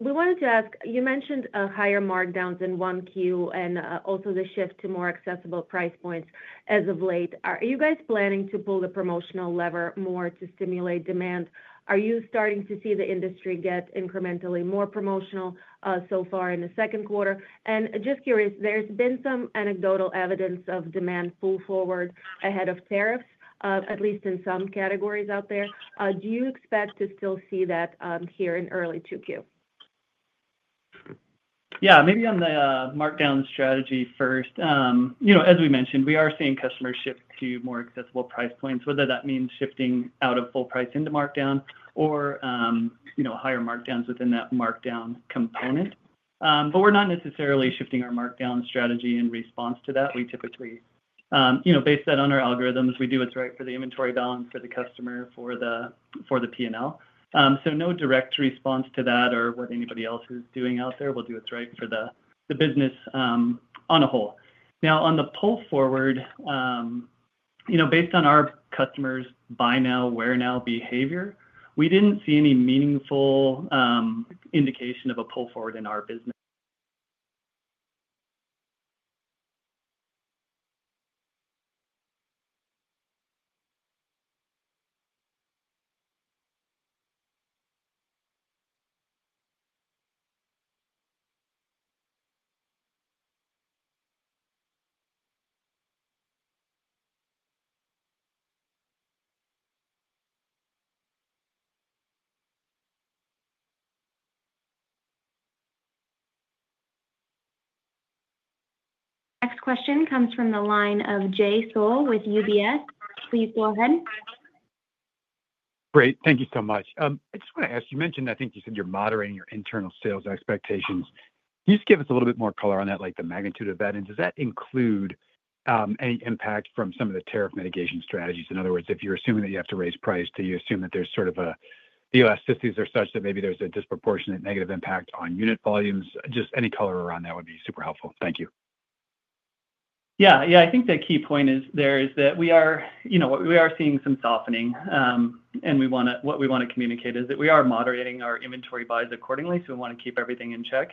H: We wanted to ask, you mentioned higher markdowns in Q1 and also the shift to more accessible price points as of late. Are you guys planning to pull the promotional lever more to stimulate demand? Are you starting to see the industry get incrementally more promotional so far in the second quarter? Just curious, there's been some anecdotal evidence of demand pull forward ahead of tariffs, at least in some categories out there. Do you expect to still see that here in early Q2?
E: Yeah, maybe on the markdown strategy first. As we mentioned, we are seeing customers shift to more accessible price points, whether that means shifting out of full price into markdown or higher markdowns within that markdown component. We are not necessarily shifting our markdown strategy in response to that. We typically base that on our algorithms. We do what is right for the inventory balance, for the customer, for the P&L. No direct response to that or what anybody else is doing out there. We will do what is right for the business on a whole. Now, on the pull forward, based on our customers' buy now, wear now behavior, we did not see any meaningful indication of a pull forward in our business.
A: Next question comes from the line of Jay Sole with UBS. Please go ahead. Great.
I: Thank you so much. I just want to ask, you mentioned I think you said you're moderating your internal sales expectations. Can you just give us a little bit more color on that, like the magnitude of that? Does that include any impact from some of the tariff mitigation strategies? In other words, if you're assuming that you have to raise price, do you assume that there's sort of a elasticities are such that maybe there's a disproportionate negative impact on unit volumes? Just any color around that would be super helpful. Thank you.
E: Yeah, I think the key point is there is that we are seeing some softening, and what we want to communicate is that we are moderating our inventory buys accordingly. We want to keep everything in check.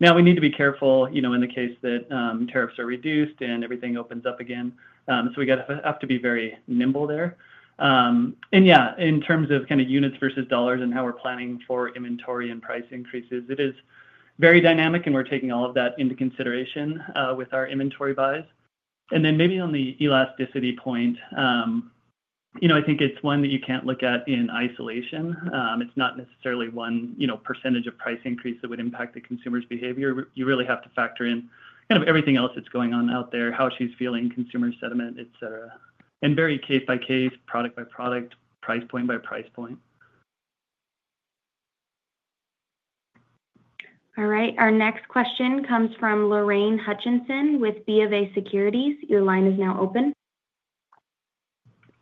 E: Now, we need to be careful in the case that tariffs are reduced and everything opens up again. We have to be very nimble there. Yeah, in terms of kind of units versus dollars and how we're planning for inventory and price increases, it is very dynamic, and we're taking all of that into consideration with our inventory buys. Maybe on the elasticity point, I think it's one that you can't look at in isolation. It's not necessarily one % of price increase that would impact the consumer's behavior. You really have to factor in kind of everything else that's going on out there, how she's feeling, consumer sentiment, etc., and very case by case, product by product, price point by price point.
A: All right. Our next question comes from Lorraine Hutchinson with B of A Securities. Your line is now open.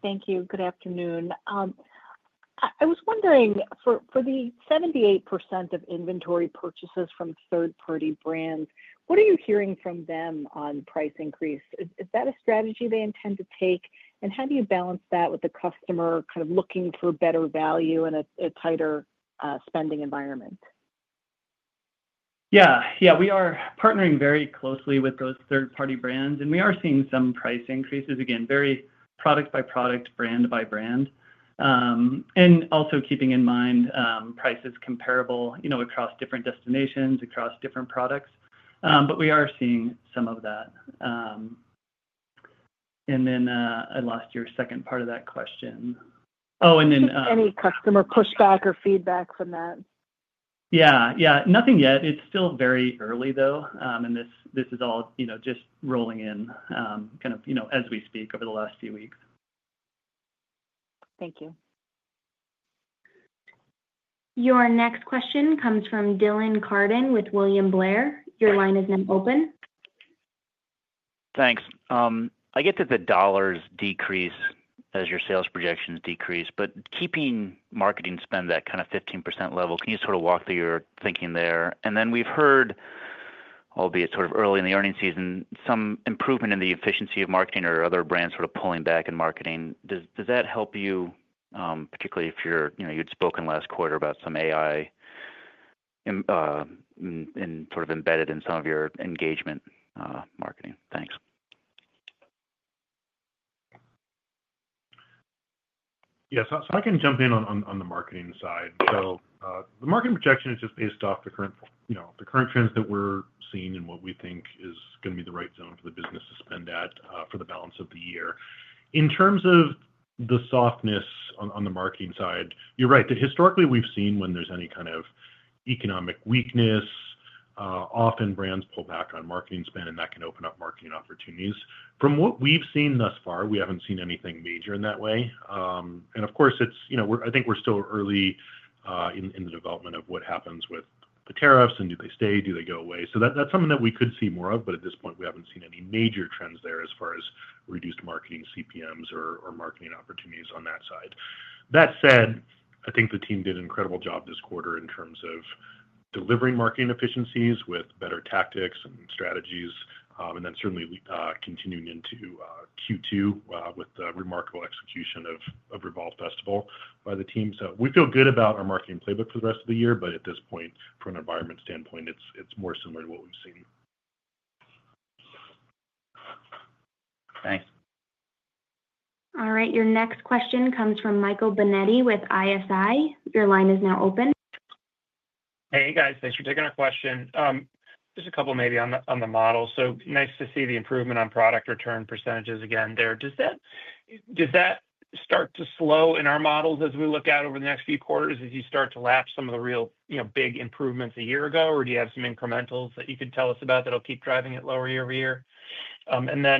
J: Thank you. Good afternoon. I was wondering, for the 78% of inventory purchases from third-party brands, what are you hearing from them on price increase? Is that a strategy they intend to take? How do you balance that with the customer kind of looking for better value in a tighter spending environment?
E: Yeah, yeah, we are partnering very closely with those third-party brands, and we are seeing some price increases, again, very product by product, brand by brand, and also keeping in mind prices comparable across different destinations, across different products. We are seeing some of that. I lost your second part of that question. Oh, and then
J: any customer pushback or feedback from that?
E: Yeah, yeah, nothing yet. It's still very early, though, and this is all just rolling in kind of as we speak over the last few weeks.
J: Thank you.
A: Your next question comes from Dylan Carden with William Blair. Your line is now open.
K: Thanks. I get that the dollars decrease as your sales projections decrease, but keeping marketing spend at that kind of 15% level, can you sort of walk through your thinking there? And then we've heard, albeit sort of early in the earning season, some improvement in the efficiency of marketing or other brands sort of pulling back in marketing. Does that help you, particularly if you had spoken last quarter about some AI and sort of embedded in some of your engagement marketing? Thanks.
C: Yeah, so I can jump in on the marketing side. So the marketing projection is just based off the current trends that we're seeing and what we think is going to be the right zone for the business to spend at for the balance of the year. In terms of the softness on the marketing side, you're right that historically we've seen when there's any kind of economic weakness, often brands pull back on marketing spend, and that can open up marketing opportunities. From what we've seen thus far, we haven't seen anything major in that way. Of course, I think we're still early in the development of what happens with the tariffs and do they stay, do they go away. That is something that we could see more of, but at this point, we haven't seen any major trends there as far as reduced marketing CPMs or marketing opportunities on that side. That said, I think the team did an incredible job this quarter in terms of delivering marketing efficiencies with better tactics and strategies, and then certainly continuing into Q2 with the remarkable execution of Revolve Festival by the team. We feel good about our marketing playbook for the rest of the year, but at this point, from an environment standpoint, it's more similar to what we've seen.
A: Thanks. All right. Your next question comes from Michael Binetti with ISI. Your line is now open.
L: Hey, guys. Thanks for taking our question. Just a couple maybe on the model. Nice to see the improvement on product return percentages again there. Does that start to slow in our models as we look out over the next few quarters as you start to latch some of the real big improvements a year ago, or do you have some incrementals that you can tell us about that'll keep driving it lower year-over-year? I'm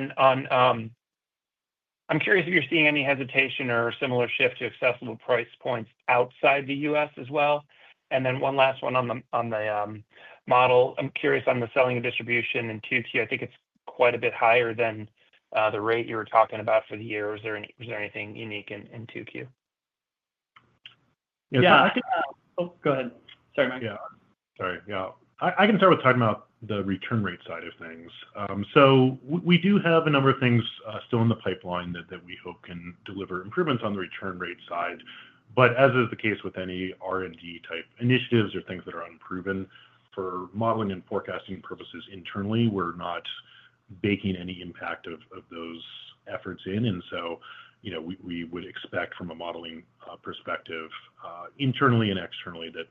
L: curious if you're seeing any hesitation or similar shift to accessible price points outside the U.S. as well. One last one on the model. I'm curious on the selling and distribution in Q2. I think it's quite a bit higher than the rate you were talking about for the year. Was there anything unique in Q2?
E: Yeah, I can—oh, go ahead. Sorry, Mike.
C: Yeah, sorry. Yeah, I can start with talking about the return rate side of things. We do have a number of things still in the pipeline that we hope can deliver improvements on the return rate side. As is the case with any R&D type initiatives or things that are unproven for modeling and forecasting purposes internally, we're not baking any impact of those efforts in. We would expect from a modeling perspective internally and externally that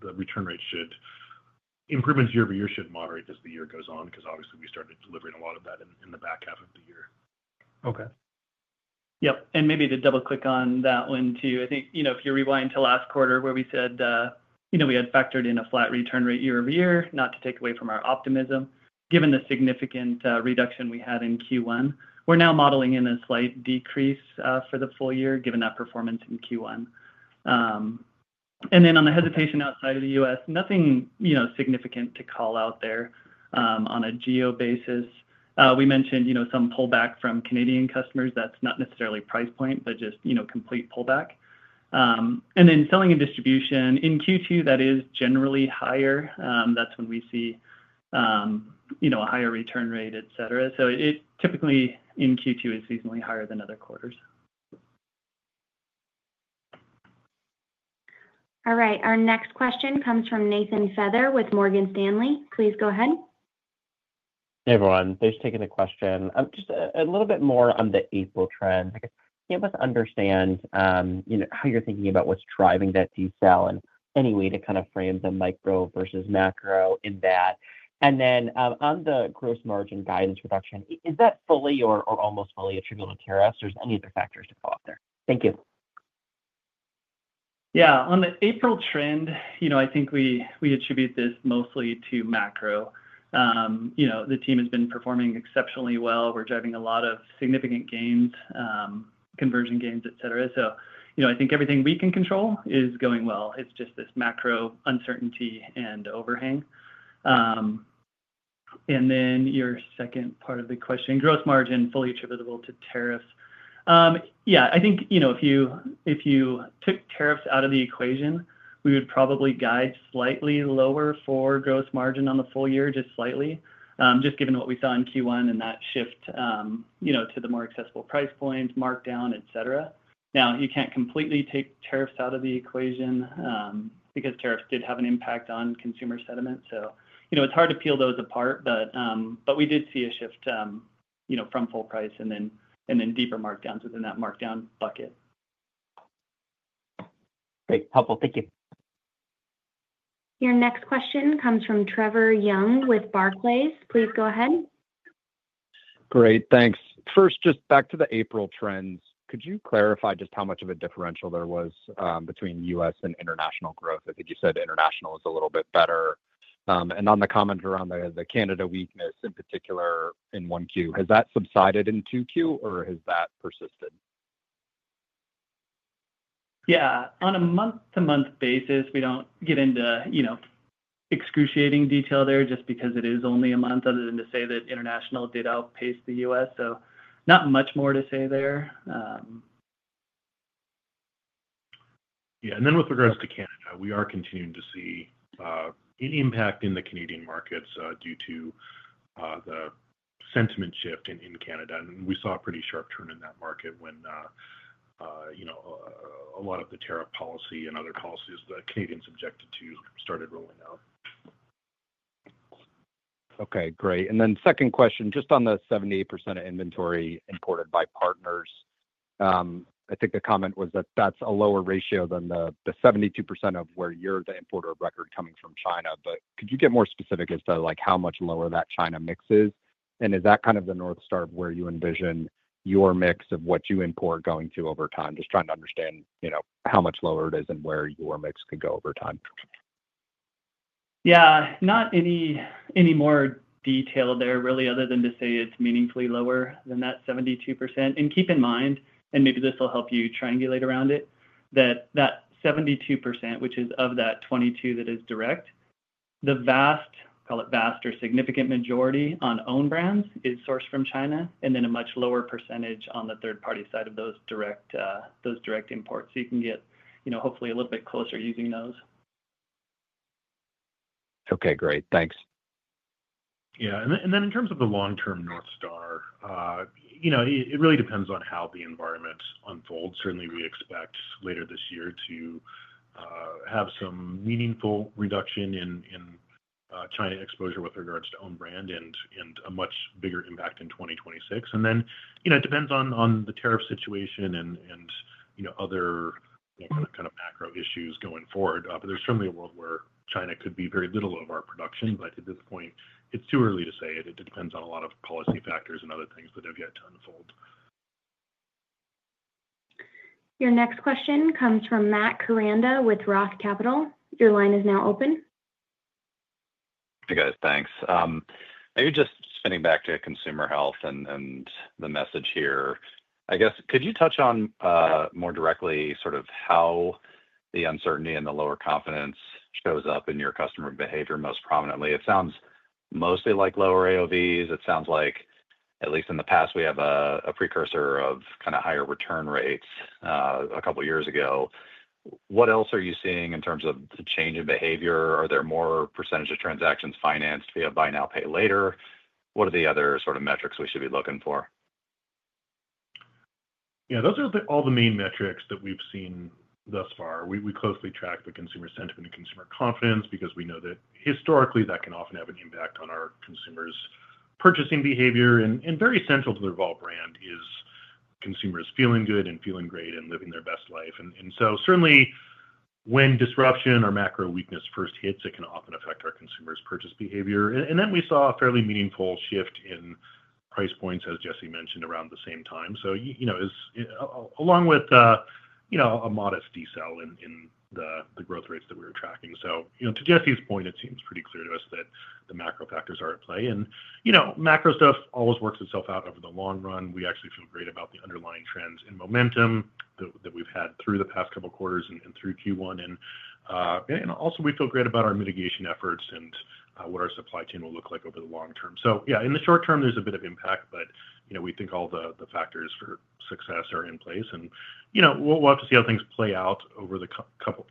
C: the return rate should—improvements year-over-year should moderate as the year goes on because obviously we started delivering a lot of that in the back half of the year.
E: Okay. Yep. Maybe to double-click on that one too, I think if you rewind to last quarter where we said we had factored in a flat return rate year-over-year, not to take away from our optimism, given the significant reduction we had in Q1, we're now modeling in a slight decrease for the full year given that performance in Q1. On the hesitation outside of the U.S., nothing significant to call out there on a geo basis. We mentioned some pullback from Canadian customers. That's not necessarily price point, but just complete pullback. And then selling and distribution in Q2, that is generally higher. That is when we see a higher return rate, etc. It typically in Q2 is seasonally higher than other quarters.
A: All right. Our next question comes from Nathan Feather with Morgan Stanley. Please go ahead.
M: Hey, everyone. Thanks for taking the question. Just a little bit more on the April trend. Can you help us understand how you are thinking about what is driving that decel and any way to kind of frame the micro versus macro in that? And then on the gross margin guidance reduction, is that fully or almost fully attributable to tariffs, or is there any other factors to call out there? Thank you.
E: Yeah, on the April trend, I think we attribute this mostly to macro. The team has been performing exceptionally well. We are driving a lot of significant gains, conversion gains, etc. I think everything we can control is going well. It's just this macro uncertainty and overhang. Your second part of the question, gross margin fully attributable to tariffs. Yeah, I think if you took tariffs out of the equation, we would probably guide slightly lower for gross margin on the full year, just slightly, just given what we saw in Q1 and that shift to the more accessible price points, markdown, etc. Now, you can't completely take tariffs out of the equation because tariffs did have an impact on consumer sentiment. It's hard to peel those apart, but we did see a shift from full price and then deeper markdowns within that markdown bucket.
M: Great. Helpful. Thank you.
A: Your next question comes from Trevor Young with Barclays. Please go ahead. Great. Thanks.
N: First, just back to the April trends, could you clarify just how much of a differential there was between U.S. and international growth? I think you said international was a little bit better. On the comment around the Canada weakness in particular in Q1, has that subsided in Q2, or has that persisted?
E: Yeah, on a month-to-month basis, we do not get into excruciating detail there just because it is only a month, other than to say that international did outpace the U.S. Not much more to say there.
D: Yeah. With regards to Canada, we are continuing to see an impact in the Canadian markets due to the sentiment shift in Canada. We saw a pretty sharp turn in that market when a lot of the tariff policy and other policies that Canadians objected to started rolling out.
N: Okay. Great. Then second question, just on the 78% of inventory imported by partners, I think the comment was that that's a lower ratio than the 72% of where you're the importer of record coming from China. Could you get more specific as to how much lower that China mix is? Is that kind of the North Star of where you envision your mix of what you import going to over time? Just trying to understand how much lower it is and where your mix could go over time.
E: Yeah. Not any more detail there really, other than to say it's meaningfully lower than that 72%. Keep in mind, and maybe this will help you triangulate around it, that that 72%, which is of that 22 that is direct, the vast, call it vast or significant majority on own brands is sourced from China, and then a much lower percentage on the third-party side of those direct imports. You can get hopefully a little bit closer using those.
N: Okay. Great. Thanks.
D: Yeah. In terms of the long-term North Star, it really depends on how the environment unfolds. Certainly, we expect later this year to have some meaningful reduction in China exposure with regards to own brand and a much bigger impact in 2026. It depends on the tariff situation and other kind of macro issues going forward. There is certainly a world where China could be very little of our production, but at this point, it's too early to say it. It depends on a lot of policy factors and other things that have yet to unfold.
A: Your next question comes from Matt Koranda with Roth Capital. Your line is now open.
O: Hey, guys. Thanks. I think just spinning back to consumer health and the message here, I guess, could you touch on more directly sort of how the uncertainty and the lower confidence shows up in your customer behavior most prominently? It sounds mostly like lower AOVs. It sounds like, at least in the past, we have a precursor of kind of higher return rates a couple of years ago. What else are you seeing in terms of the change in behavior? Are there more percentage of transactions financed via buy now, pay later? What are the other sort of metrics we should be looking for?
C: Yeah, those are all the main metrics that we've seen thus far. We closely track the consumer sentiment and consumer confidence because we know that historically that can often have an impact on our consumers' purchasing behavior. Very central to the Revolve brand is consumers feeling good and feeling great and living their best life. Certainly, when disruption or macro weakness first hits, it can often affect our consumers' purchase behavior. We saw a fairly meaningful shift in price points, as Jesse mentioned, around the same time, along with a modest decel in the growth rates that we were tracking. To Jesse's point, it seems pretty clear to us that the macro factors are at play. Macro stuff always works itself out over the long run. We actually feel great about the underlying trends and momentum that we've had through the past couple of quarters and through Q1. We also feel great about our mitigation efforts and what our supply chain will look like over the long term. Yeah, in the short term, there's a bit of impact, but we think all the factors for success are in place. We'll have to see how things play out over the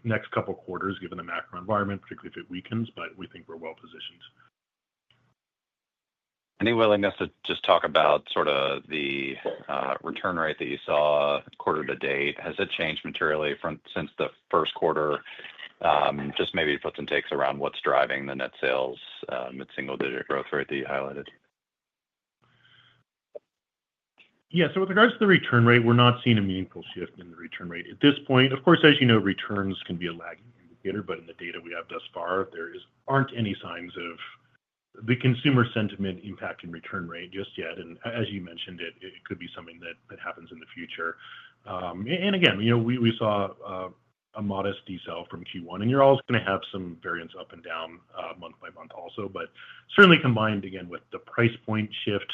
C: next couple of quarters given the macro environment, particularly if it weakens, but we think we're well positioned.
O: Any willingness to just talk about sort of the return rate that you saw quarter to date? Has it changed materially since the first quarter? Just maybe puts and takes around what's driving the net sales, net single-digit growth rate that you highlighted. Yeah.
C: With regards to the return rate, we're not seeing a meaningful shift in the return rate at this point. Of course, as you know, returns can be a lagging indicator, but in the data we have thus far, there aren't any signs of the consumer sentiment impacting return rate just yet. As you mentioned, it could be something that happens in the future. Again, we saw a modest decel from Q1, and you're always going to have some variance up and down month by month also. Certainly combined, again, with the price point shift,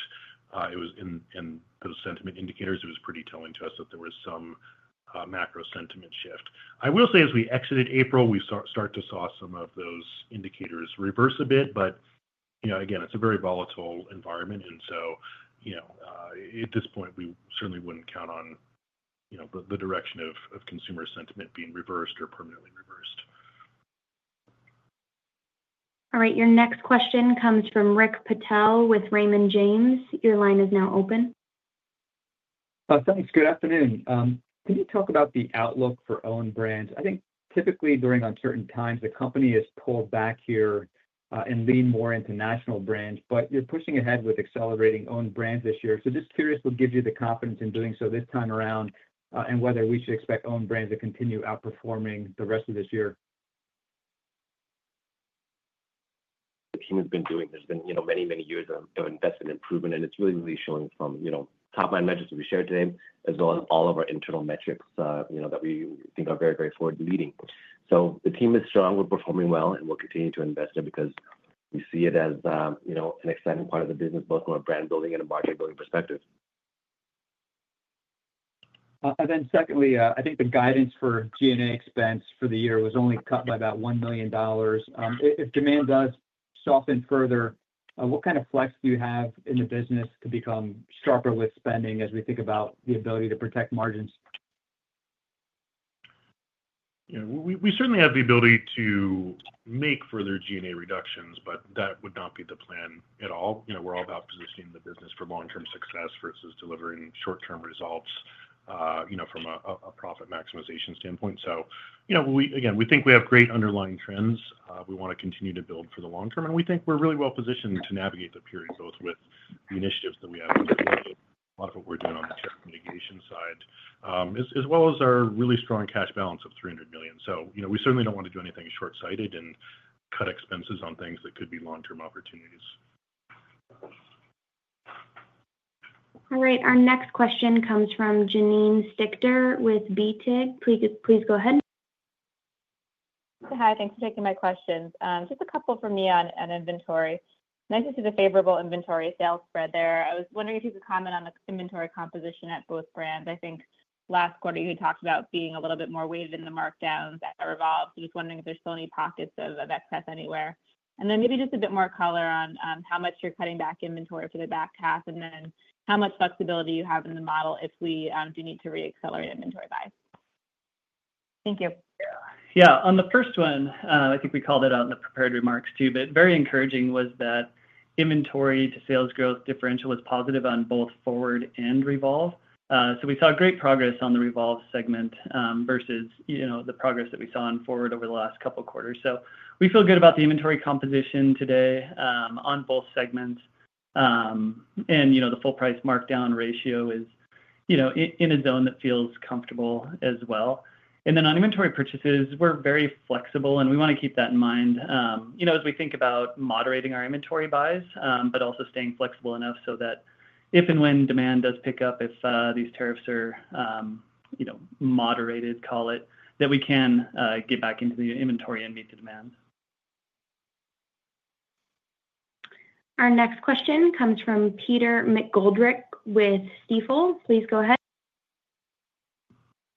C: it was in those sentiment indicators, it was pretty telling to us that there was some macro sentiment shift. I will say as we exited April, we started to see some of those indicators reverse a bit. Again, it's a very volatile environment. At this point, we certainly would not count on the direction of consumer sentiment being reversed or permanently reversed.
A: All right. Your next question comes from Rick Patel with Raymond James. Your line is now open.
P: Thanks. Good afternoon. Can you talk about the outlook for own brands? I think typically during uncertain times, the company has pulled back here and leaned more into national brands, but you are pushing ahead with accelerating own brands this year. Just curious what gives you the confidence in doing so this time around and whether we should expect own brands to continue outperforming the rest of this year.
D: The team has been doing this many, many years of investment improvement, and it is really, really showing from top-line metrics that we shared today, as well as all of our internal metrics that we think are very, very forward-leading. The team is strong. We're performing well, and we'll continue to invest in it because we see it as an exciting part of the business, both from a brand-building and a market-building perspective.
P: Secondly, I think the guidance for G&A expense for the year was only cut by about $1 million. If demand does soften further, what kind of flex do you have in the business to become sharper with spending as we think about the ability to protect margins?
C: Yeah, we certainly have the ability to make further G&A reductions, but that would not be the plan at all. We're all about positioning the business for long-term success versus delivering short-term results from a profit maximization standpoint. Again, we think we have great underlying trends. We want to continue to build for the long term, and we think we're really well positioned to navigate the period both with the initiatives that we have and a lot of what we're doing on the chip mitigation side, as well as our really strong cash balance of $300 million. We certainly don't want to do anything short-sighted and cut expenses on things that could be long-term opportunities.
A: All right. Our next question comes from Janine Stichter with BTIG. Please go ahead.
Q: Hi. Thanks for taking my questions. Just a couple from me on inventory. Nice to see the favorable inventory sales spread there. I was wondering if you could comment on the inventory composition at both brands. I think last quarter, you talked about being a little bit more weighted in the markdowns that are evolved. Just wondering if there's still any pockets of excess anywhere. Maybe just a bit more color on how much you're cutting back inventory for the back half and then how much flexibility you have in the model if we do need to re-accelerate inventory buy. Thank you.
E: Yeah. On the first one, I think we called it out in the prepared remarks too, but very encouraging was that inventory to sales growth differential was positive on both FWRD and Revolve. We saw great progress on the Revolve segment versus the progress that we saw in FWRD over the last couple of quarters. We feel good about the inventory composition today on both segments. The full price markdown ratio is in a zone that feels comfortable as well. On inventory purchases, we're very flexible, and we want to keep that in mind as we think about moderating our inventory buys, but also staying flexible enough so that if and when demand does pick up, if these tariffs are moderated, call it, that we can get back into the inventory and meet the demand.
A: Our next question comes from Peter McGoldrick with Stifel. Please go ahead.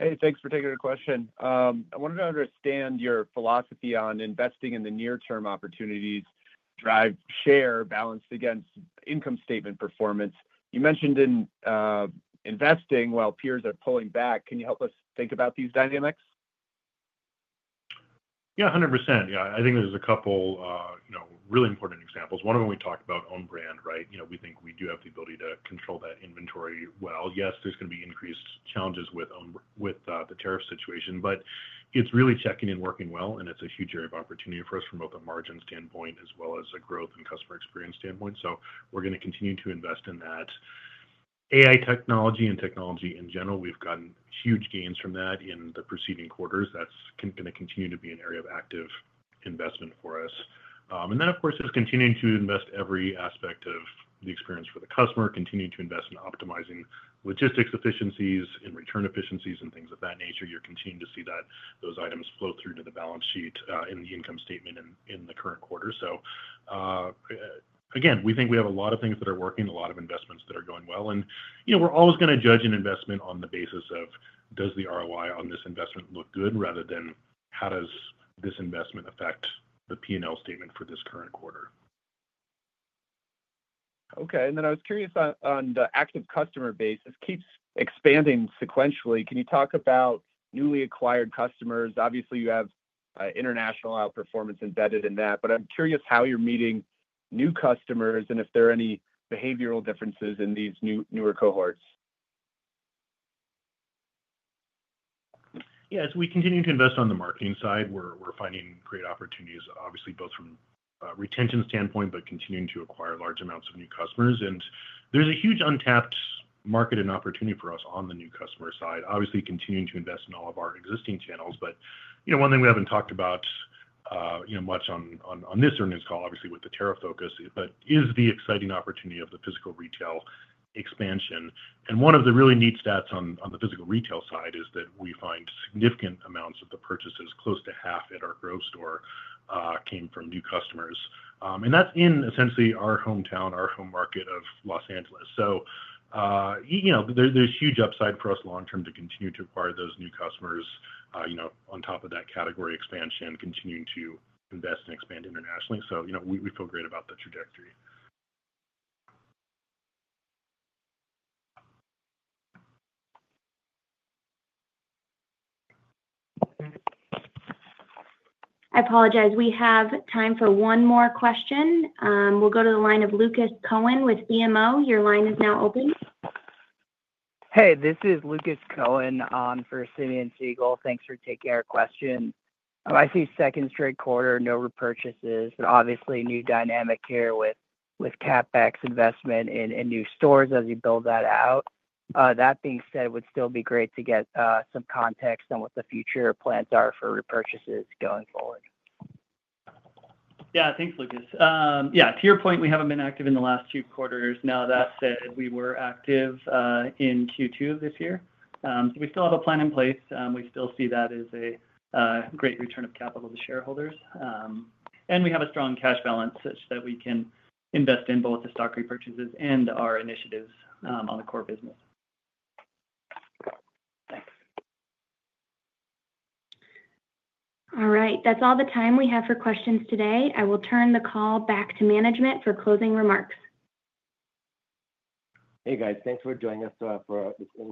R: Hey, thanks for taking the question. I wanted to understand your philosophy on investing in the near-term opportunities. Drive share balanced against income statement performance. You mentioned in investing, while peers are pulling back, can you help us think about these dynamics?
C: Yeah, 100%. Yeah. I think there's a couple of really important examples. One of them we talked about own brand, right? We think we do have the ability to control that inventory well. Yes, there's going to be increased challenges with the tariff situation, but it's really checking and working well, and it's a huge area of opportunity for us from both a margin standpoint as well as a growth and customer experience standpoint. We are going to continue to invest in that. AI technology and technology in general, we've gotten huge gains from that in the preceding quarters. That's going to continue to be an area of active investment for us. Of course, it's continuing to invest every aspect of the experience for the customer, continuing to invest in optimizing logistics efficiencies and return efficiencies and things of that nature. You're continuing to see those items flow through to the balance sheet in the income statement in the current quarter. Again, we think we have a lot of things that are working, a lot of investments that are going well. We're always going to judge an investment on the basis of, does the ROI on this investment look good, rather than how does this investment affect the P&L statement for this current quarter.
R: Okay. I was curious on the active customer base. This keeps expanding sequentially. Can you talk about newly acquired customers? Obviously, you have international outperformance embedded in that, but I'm curious how you're meeting new customers and if there are any behavioral differences in these newer cohorts.
C: Yeah. As we continue to invest on the marketing side, we're finding great opportunities, obviously, both from a retention standpoint, but continuing to acquire large amounts of new customers. There is a huge untapped market and opportunity for us on the new customer side, obviously continuing to invest in all of our existing channels. One thing we have not talked about much on this earnings call, obviously, with the tariff focus, is the exciting opportunity of the physical retail expansion. One of the really neat stats on the physical retail side is that we find significant amounts of the purchases, close to half at our Grove store, came from new customers. That is in essentially our hometown, our home market of Los Angeles. There is huge upside for us long-term to continue to acquire those new customers on top of that category expansion, continuing to invest and expand internationally. We feel great about the trajectory.
A: I apologize. We have time for one more question. We will go to the line of Lucas Cohen with BMO. Your line is now open.
S: Hey, this is Lucas Cohen on for Simeon Siegel. Thanks for taking our question. I see second straight quarter, no repurchases, but obviously new dynamic here with CapEx investment and new stores as you build that out. That being said, it would still be great to get some context on what the future plans are for repurchases going forward.
E: Yeah. Thanks, Lucas. Yeah. To your point, we have not been active in the last two quarters. Now, that said, we were active in Q2 of this year. We still have a plan in place. We still see that as a great return of capital to shareholders. We have a strong cash balance such that we can invest in both the stock repurchases and our initiatives on the core business. Thanks.
A: All right. That is all the time we have for questions today. I will turn the call back to management for closing remarks.
C: Hey, guys. Thanks for joining us for some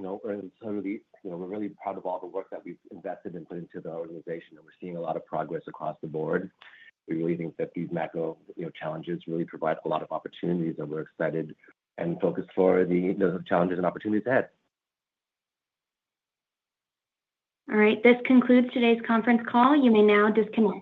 C: of the, we're really proud of all the work that we've invested and put into the organization, and we're seeing a lot of progress across the board. We really think that these macro challenges really provide a lot of opportunities, and we're excited and focused for the challenges and opportunities ahead.
A: All right. This concludes today's conference call. You may now disconnect.